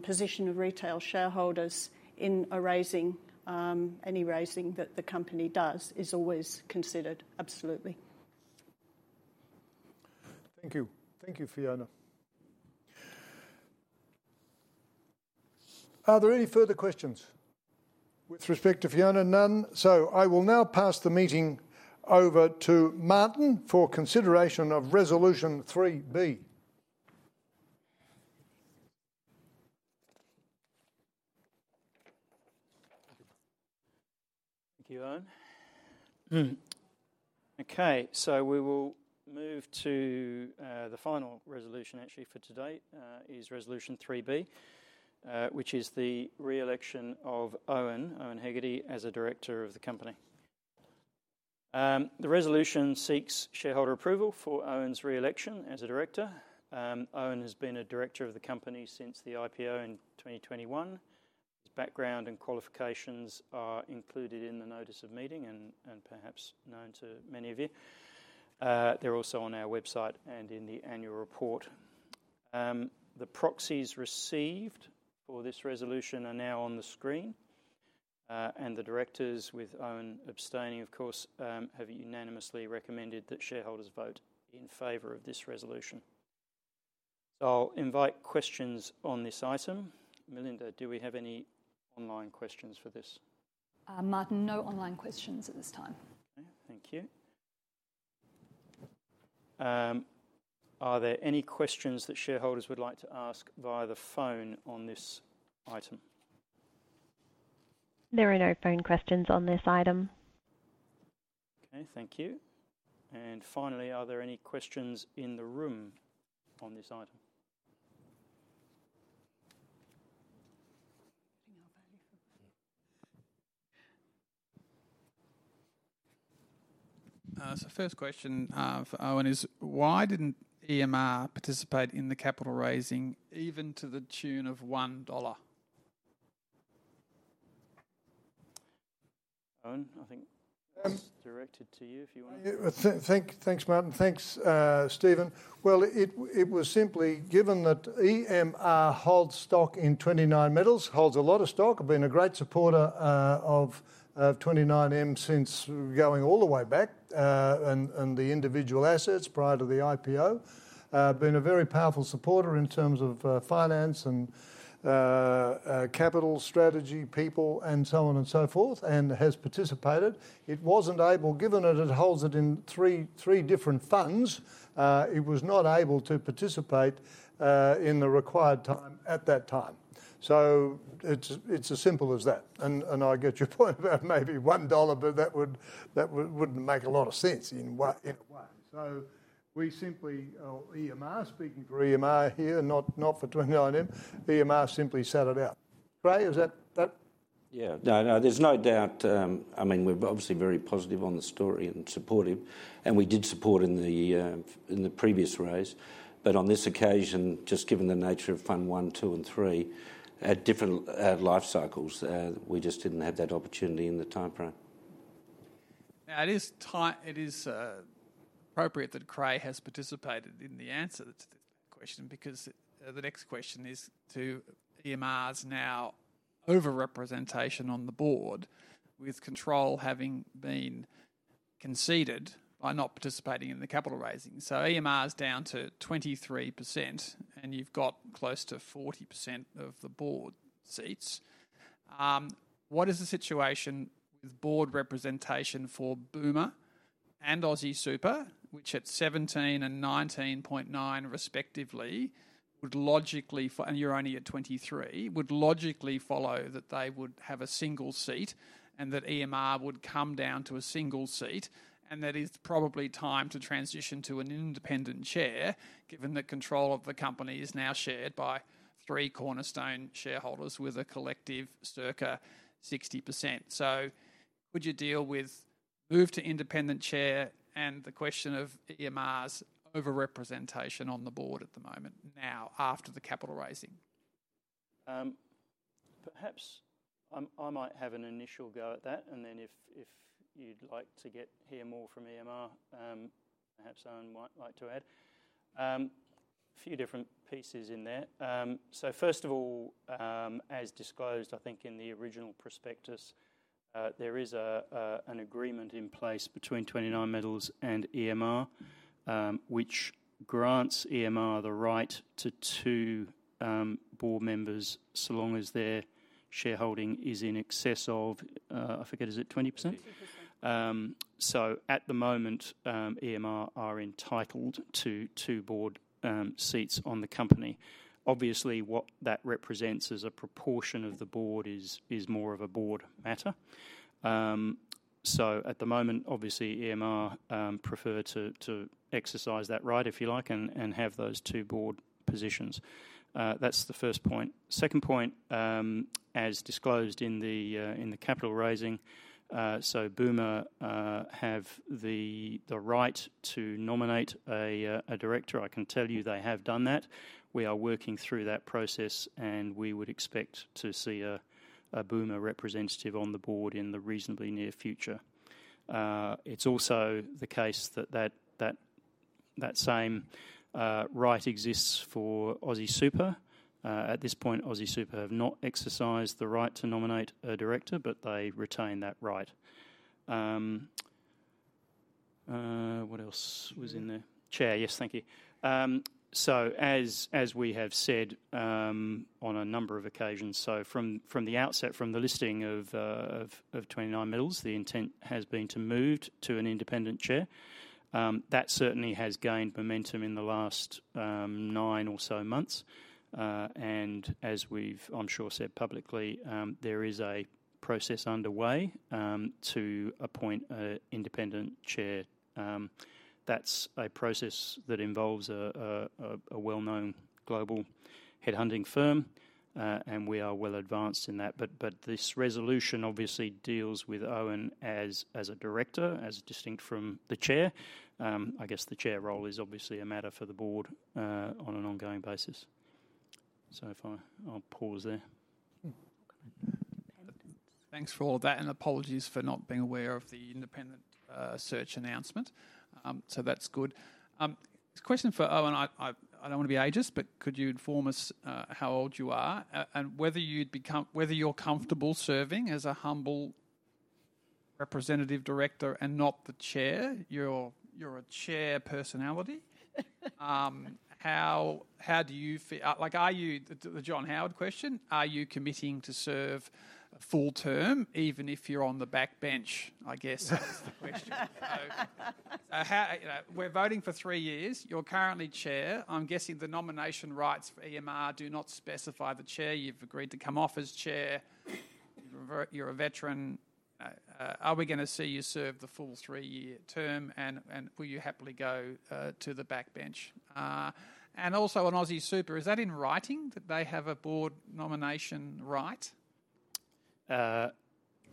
position of retail shareholders in a raising, any raising that the company does, is always considered, absolutely. Thank you. Thank you, Fiona. Are there any further questions with respect to Fiona? None. I will now pass the meeting over to Martin for consideration of resolution 3B. Thank you, Owen. Okay, we will move to the final resolution actually for today, which is resolution 3B, which is the re-election of Owen, Owen Hegarty, as a director of the company. The resolution seeks shareholder approval for Owen's re-election as a director. Owen has been a director of the company since the IPO in 2021. His background and qualifications are included in the notice of meeting and perhaps known to many of you. They are also on our website and in the annual report. The proxies received for this resolution are now on the screen, and the directors, with Owen abstaining, of course, have unanimously recommended that shareholders vote in favor of this resolution. I'll invite questions on this item. Melinda, do we have any online questions for this? Martin, no online questions at this time. Okay. Thank you. Are there any questions that shareholders would like to ask via the phone on this item? There are no phone questions on this item. Okay. Thank you. Finally, are there any questions in the room on this item? First question for Owen is, why didn't EMR participate in the capital raising even to the tune of 1 dollar? Owen, I think that's directed to you if you want to. Thanks, Martin. Thanks, Stephen. It was simply given that EMR holds stock in 29Metals, holds a lot of stock, been a great supporter of 29Metals since going all the way back, and the individual assets prior to the IPO, been a very powerful supporter in terms of finance and capital strategy, people, and so on and so forth, and has participated. It was not able, given that it holds it in three different funds, it was not able to participate in the required time at that time. It is as simple as that. I get your point about maybe 1 dollar, but that would not make a lot of sense in a way. We simply, EMR speaking for EMR here, not for 29Metals, EMR simply sat it out. Creagh, is that? Yeah. No, no, there's no doubt. I mean, we're obviously very positive on the story and supportive, and we did support in the previous raise. On this occasion, just given the nature of fund one, two, and three at different life cycles, we just didn't have that opportunity in the timeframe. Now, it is appropriate that Creagh has participated in the answer to that question because the next question is to EMR's now over-representation on the board with control having been conceded by not participating in the capital raising. EMR's down to 23%, and you've got close to 40% of the board seats. What is the situation with board representation for Boab Metals and AustralianSuper, which at 17% and 19.9% respectively would logically, and you're only at 23%, would logically follow that they would have a single seat and that EMR would come down to a single seat, and that it's probably time to transition to an independent chair given that control of the company is now shared by three cornerstone shareholders with a collective circa 60%. Could you deal with move to independent chair and the question of EMR's over-representation on the board at the moment now after the capital raising? Perhaps I might have an initial go at that, and then if you'd like to hear more from EMR, perhaps Owen might like to add. A few different pieces in there. First of all, as disclosed, I think in the original prospectus, there is an agreement in place between 29Metals and EMR, which grants EMR the right to two board members so long as their shareholding is in excess of, I forget, is it 20%? At the moment, EMR are entitled to two board seats on the company. Obviously, what that represents as a proportion of the board is more of a board matter. At the moment, obviously, EMR prefer to exercise that right, if you like, and have those two board positions. That's the first point. Second point, as disclosed in the capital raising, Boab Metals have the right to nominate a director. I can tell you they have done that. We are working through that process, and we would expect to see a Boab Metals representative on the board in the reasonably near future. It's also the case that that same right exists for AustralianSuper. At this point, AustralianSuper have not exercised the right to nominate a director, but they retain that right. What else was in there? Chair, yes, thank you. As we have said on a number of occasions, from the outset, from the listing of 29Metals, the intent has been to move to an independent chair. That certainly has gained momentum in the last nine or so months. As we've, I'm sure, said publicly, there is a process underway to appoint an independent chair. That is a process that involves a well-known global headhunting firm, and we are well advanced in that. This resolution obviously deals with Owen as a director, as distinct from the chair. I guess the chair role is obviously a matter for the board on an ongoing basis. I'll pause there. Thanks for all that, and apologies for not being aware of the independent search announcement. That's good. Question for Owen, I don't want to be ageist, but could you inform us how old you are and whether you're comfortable serving as a humble representative director and not the chair? You're a chair personality. How do you feel? Like, are you, the John Howard question, are you committing to serve full term even if you're on the backbench, I guess, is the question? We're voting for three years. You're currently Chair. I'm guessing the nomination rights for EMR do not specify the Chair. You've agreed to come off as Chair. You're a veteran. Are we going to see you serve the full three-year term, and will you happily go to the backbench? Also on AustralianSuper, is that in writing that they have a board nomination right?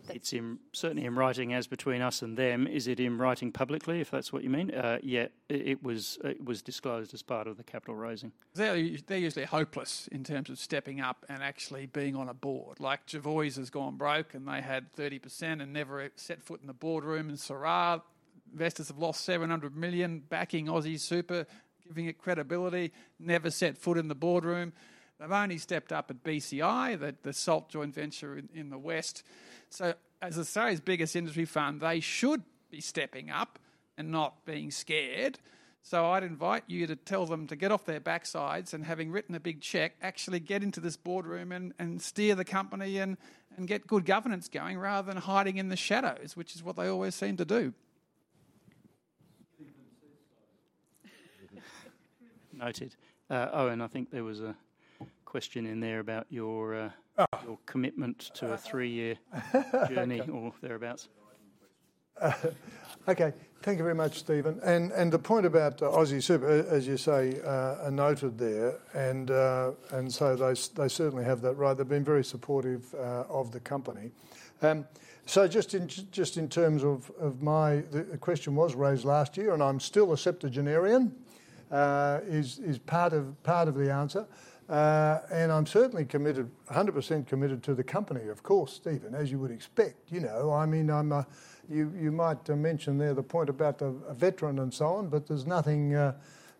It's certainly in writing as between us and them. Is it in writing publicly, if that's what you mean? Yeah, it was disclosed as part of the capital raising. They're usually hopeless in terms of stepping up and actually being on a board. Like Gervois has gone broke and they had 30% and never set foot in the boardroom in Syrah. Investors have lost 700 million backing AustralianSuper, giving it credibility, never set foot in the boardroom. They've only stepped up at BCI, the Salt Joint Venture in the west. As Australia's biggest industry fund, they should be stepping up and not being scared. I'd invite you to tell them to get off their backsides and, having written a big check, actually get into this boardroom and steer the company and get good governance going rather than hiding in the shadows, which is what they always seem to do. Noted. Owen, I think there was a question in there about your commitment to a three-year journey or thereabouts. Okay, thank you very much, Stephen. The point about AustralianSuper, as you say, are noted there. They certainly have that right. They've been very supportive of the company. Just in terms of my question was raised last year, and I'm still a septuagenarian, is part of the answer. I'm certainly committed, 100% committed to the company, of course, Stephen, as you would expect. You know, I mean, you might mention there the point about a veteran and so on, but there's nothing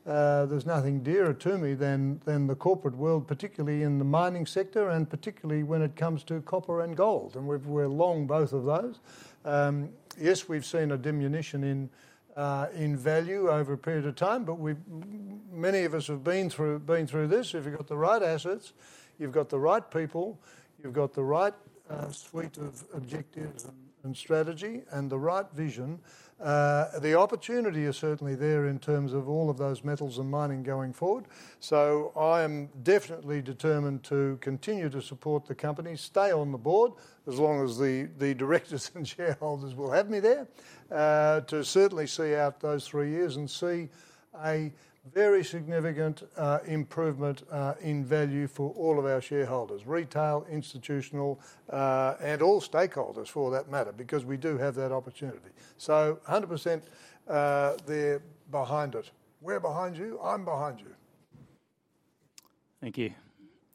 dearer to me than the corporate world, particularly in the mining sector and particularly when it comes to copper and gold. We're long both of those. Yes, we've seen a diminution in value over a period of time, but many of us have been through this. If you've got the right assets, you've got the right people, you've got the right suite of objectives and strategy and the right vision. The opportunity is certainly there in terms of all of those metals and mining going forward. I am definitely determined to continue to support the company, stay on the board as long as the directors and shareholders will have me there, to certainly see out those three years and see a very significant improvement in value for all of our shareholders, retail, institutional, and all stakeholders for that matter, because we do have that opportunity. 100% they're behind it. We're behind you. I'm behind you. Thank you.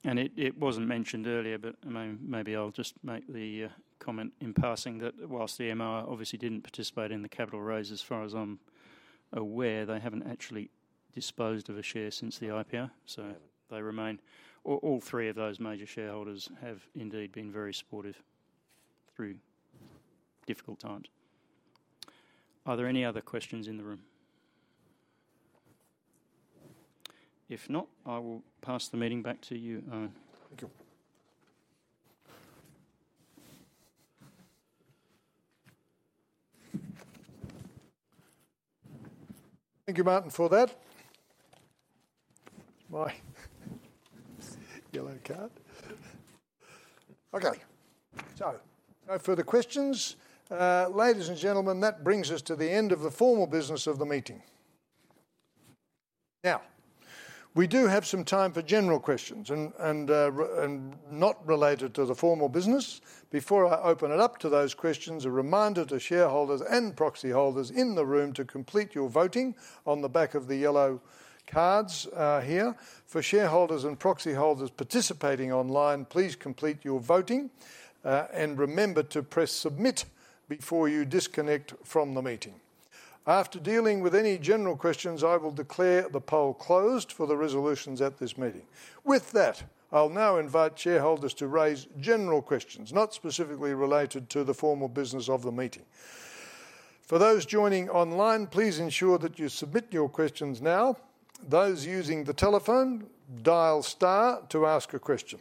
It was not mentioned earlier, but maybe I will just make the comment in passing that whilst EMR obviously did not participate in the capital raise, as far as I am aware, they have not actually disposed of a share since the IPO. They remain, all three of those major shareholders have indeed been very supportive through difficult times. Are there any other questions in the room? If not, I will pass the meeting back to you, Owen. Thank you. Thank you, Martin, for that. My yellow card. Okay. No further questions. Ladies and gentlemen, that brings us to the end of the formal business of the meeting. Now, we do have some time for general questions not related to the formal business. Before I open it up to those questions, a reminder to shareholders and proxy holders in the room to complete your voting on the back of the yellow cards here. For shareholders and proxy holders participating online, please complete your voting and remember to press submit before you disconnect from the meeting. After dealing with any general questions, I will declare the poll closed for the resolutions at this meeting. With that, I'll now invite shareholders to raise general questions, not specifically related to the formal business of the meeting. For those joining online, please ensure that you submit your questions now. Those using the telephone, dial star to ask a question.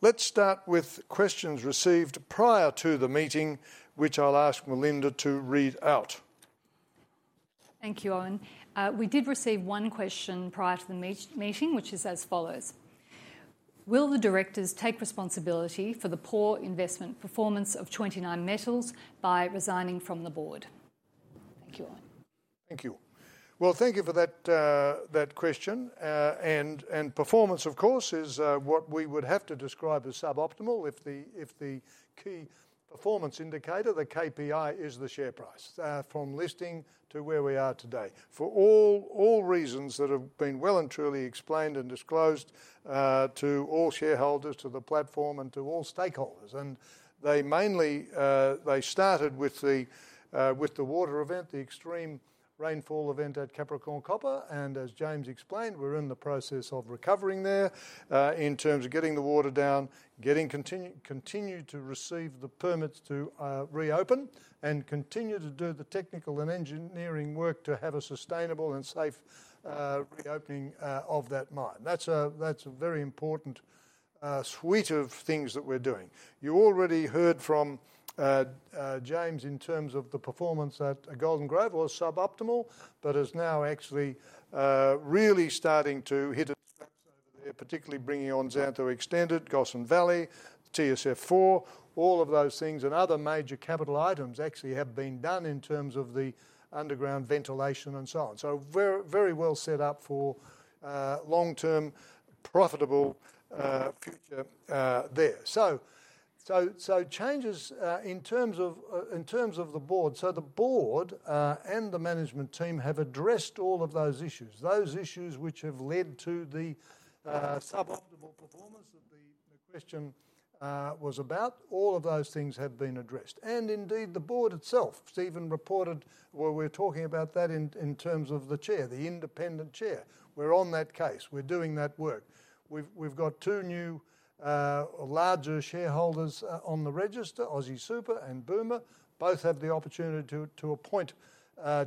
Let's start with questions received prior to the meeting, which I'll ask Melinda to read out. Thank you, Owen. We did receive one question prior to the meeting, which is as follows: Will the directors take responsibility for the poor investment performance of 29Metals by resigning from the board? Thank you, Owen. Thank you. Thank you for that question. Performance, of course, is what we would have to describe as suboptimal if the key performance indicator, the KPI, is the share price from listing to where we are today. For all reasons that have been well and truly explained and disclosed to all shareholders, to the platform, and to all stakeholders. They mainly started with the water event, the extreme rainfall event at Capricorn Copper. As James explained, we're in the process of recovering there in terms of getting the water down, continuing to receive the permits to reopen, and continuing to do the technical and engineering work to have a sustainable and safe reopening of that mine. That is a very important suite of things that we're doing. You already heard from James in terms of the performance at Golden Grove was suboptimal, but is now actually really starting to hit its stripes over there, particularly bringing on Xantho Extended, Gossan Valley, TSF4, all of those things, and other major capital items actually have been done in terms of the underground ventilation and so on. Very well set up for long-term profitable future there. Changes in terms of the board. The board and the management team have addressed all of those issues. Those issues which have led to the suboptimal performance that the question was about, all of those things have been addressed. Indeed, the board itself, Stephen, reported where we're talking about that in terms of the chair, the independent chair. We're on that case. We're doing that work. We've got two new larger shareholders on the register, AustralianSuper and Boab Metals. Both have the opportunity to appoint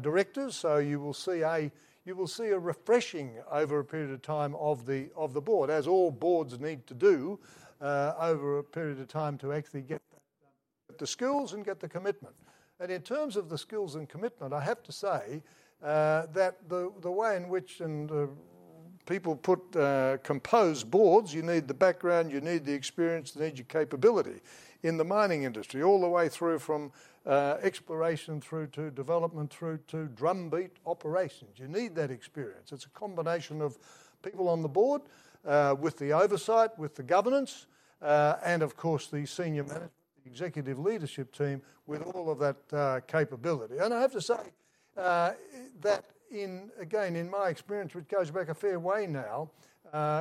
directors. You will see a refreshing over a period of time of the board, as all boards need to do over a period of time to actually get the skills and get the commitment. In terms of the skills and commitment, I have to say that the way in which people compose boards, you need the background, you need the experience, you need your capability in the mining industry, all the way through from exploration through to development through to drumbeat operations. You need that experience. It is a combination of people on the board with the oversight, with the governance, and of course, the senior management, the executive leadership team with all of that capability. I have to say that, again, in my experience, which goes back a fair way now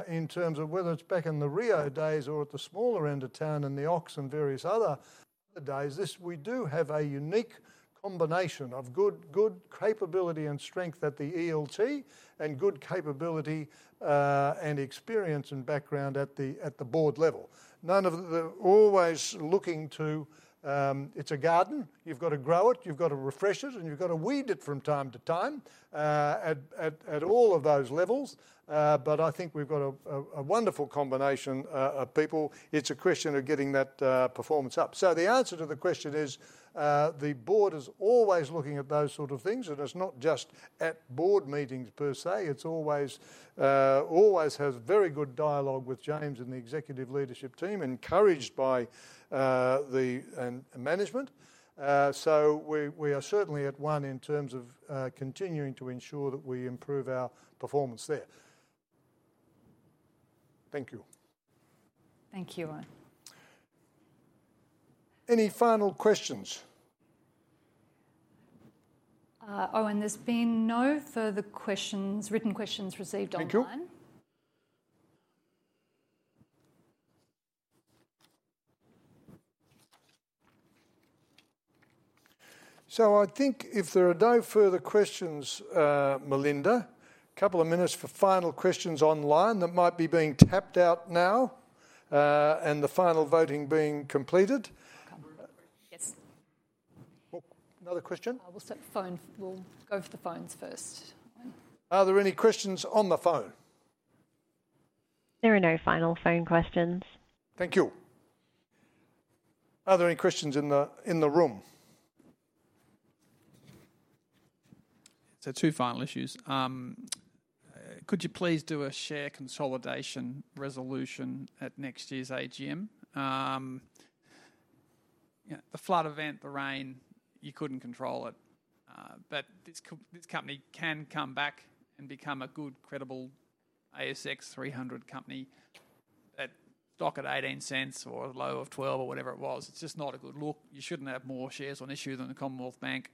in terms of whether it's back in the Rio days or at the smaller end of town in the Ox and various other days, we do have a unique combination of good capability and strength at the ELT and good capability and experience and background at the board level. None of them are always looking to, it's a garden. You've got to grow it, you've got to refresh it, and you've got to weed it from time to time at all of those levels. I think we've got a wonderful combination of people. It's a question of getting that performance up. The answer to the question is the board is always looking at those sort of things. It's not just at board meetings per se. It always has very good dialogue with James and the executive leadership team, encouraged by the management. We are certainly at one in terms of continuing to ensure that we improve our performance there. Thank you. Thank you, Owen. Any final questions? Owen, there's been no further questions, written questions received online. Thank you. I think if there are no further questions, Melinda, a couple of minutes for final questions online that might be being tapped out now and the final voting being completed. Yes. Another question? We'll go for the phones first. Are there any questions on the phone? There are no final phone questions. Thank you. Are there any questions in the room? Two final issues. Could you please do a share consolidation resolution at next year's AGM? The flood event, the rain, you could not control it. This company can come back and become a good, credible ASX 300 company at stock at 0.18 or low of 0.12 or whatever it was. It is just not a good look. You should not have more shares on issue than the Commonwealth Bank.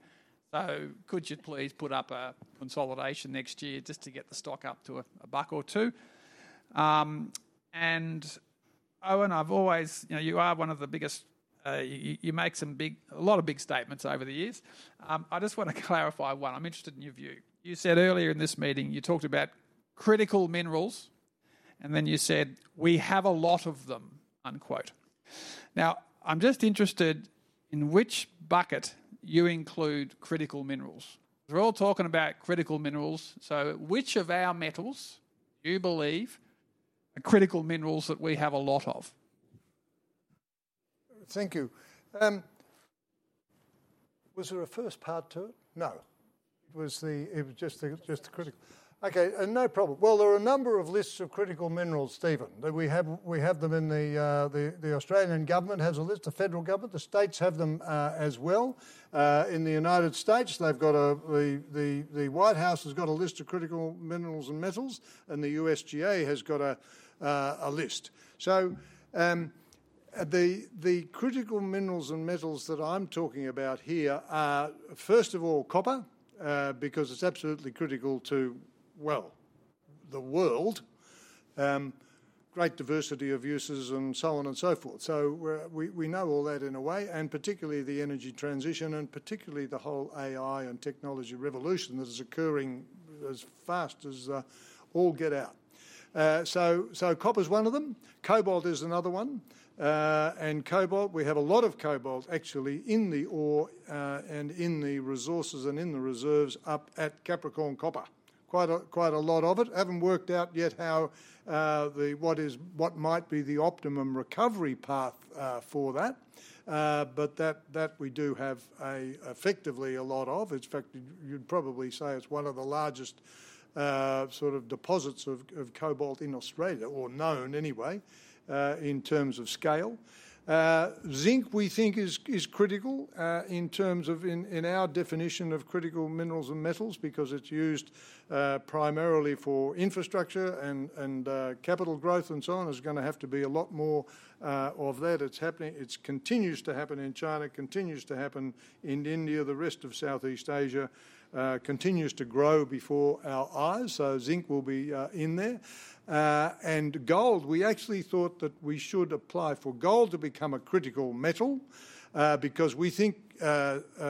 Could you please put up a consolidation next year just to get the stock up to a buck or two? Owen, you are one of the biggest, you make a lot of big statements over the years. I just want to clarify one. I am interested in your view. You said earlier in this meeting, you talked about critical minerals, and then you said, "We have a lot of them," unquote. Now, I'm just interested in which bucket you include critical minerals. We're all talking about critical minerals. Which of our metals do you believe are critical minerals that we have a lot of? Thank you. Was there a first part to it? No. It was just the critical. Okay, no problem. There are a number of lists of critical minerals, Stephen. We have them in the Australian government, has a list, the federal government, the states have them as well. In the United States, they've got a, the White House has got a list of critical minerals and metals, and the USGA has got a list. The critical minerals and metals that I'm talking about here are, first of all, copper, because it's absolutely critical to, well, the world, great diversity of uses and so on and so forth. We know all that in a way, and particularly the energy transition and particularly the whole AI and technology revolution that is occurring as fast as all get out. Copper is one of them. Cobalt is another one. Cobalt, we have a lot of cobalt actually in the ore and in the resources and in the reserves up at Capricorn Copper. Quite a lot of it. Haven't worked out yet how the, what might be the optimum recovery path for that. But that we do have effectively a lot of. In fact, you'd probably say it's one of the largest sort of deposits of cobalt in Australia, or known anyway, in terms of scale. Zinc, we think, is critical in terms of, in our definition of critical minerals and metals, because it's used primarily for infrastructure and capital growth and so on. There's going to have to be a lot more of that. It's happening, it continues to happen in China, continues to happen in India, the rest of Southeast Asia, continues to grow before our eyes. Zinc will be in there. Gold, we actually thought that we should apply for gold to become a critical metal, because we think,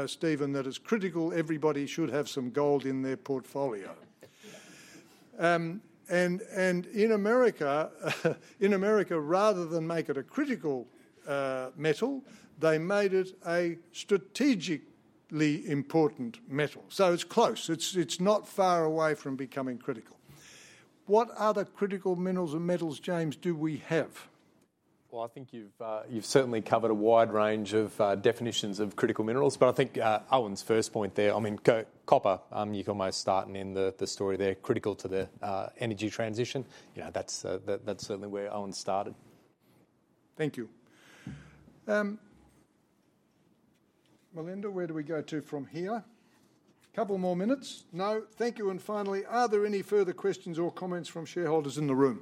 Stephen, that it's critical everybody should have some gold in their portfolio. In America, rather than make it a critical metal, they made it a strategically important metal. It is close. It is not far away from becoming critical. What other critical minerals and metals, James, do we have? I think you've certainly covered a wide range of definitions of critical minerals. I think Owen's first point there, I mean, copper, you're almost starting in the story there, critical to the energy transition. That's certainly where Owen started. Thank you. Melinda, where do we go to from here? A couple more minutes? No. Thank you. And finally, are there any further questions or comments from shareholders in the room?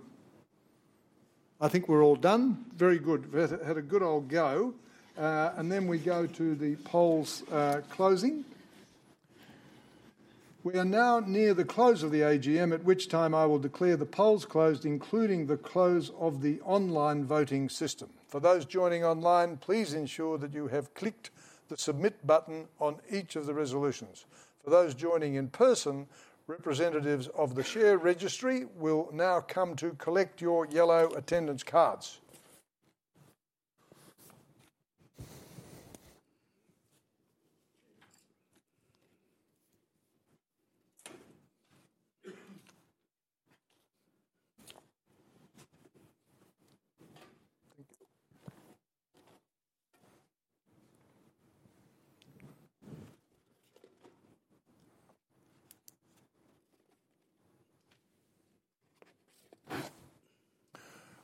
I think we're all done. Very good. Had a good old go. Then we go to the polls closing. We are now near the close of the AGM, at which time I will declare the polls closed, including the close of the online voting system. For those joining online, please ensure that you have clicked the submit button on each of the resolutions. For those joining in person, representatives of the share registry will now come to collect your yellow attendance cards.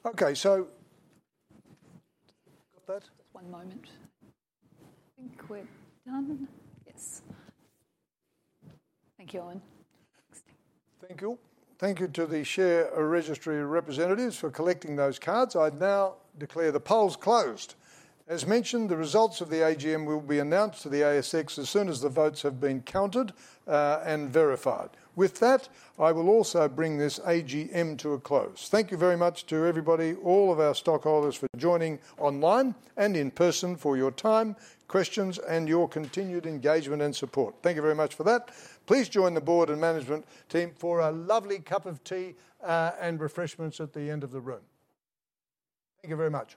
Okay, so got that? Just one moment. I think we're done. Yes. Thank you, Owen. Thank you. Thank you to the share registry representatives for collecting those cards. I now declare the polls closed. As mentioned, the results of the AGM will be announced to the ASX as soon as the votes have been counted and verified. With that, I will also bring this AGM to a close. Thank you very much to everybody, all of our stockholders for joining online and in person for your time, questions, and your continued engagement and support. Thank you very much for that. Please join the board and management team for a lovely cup of tea and refreshments at the end of the room. Thank you very much.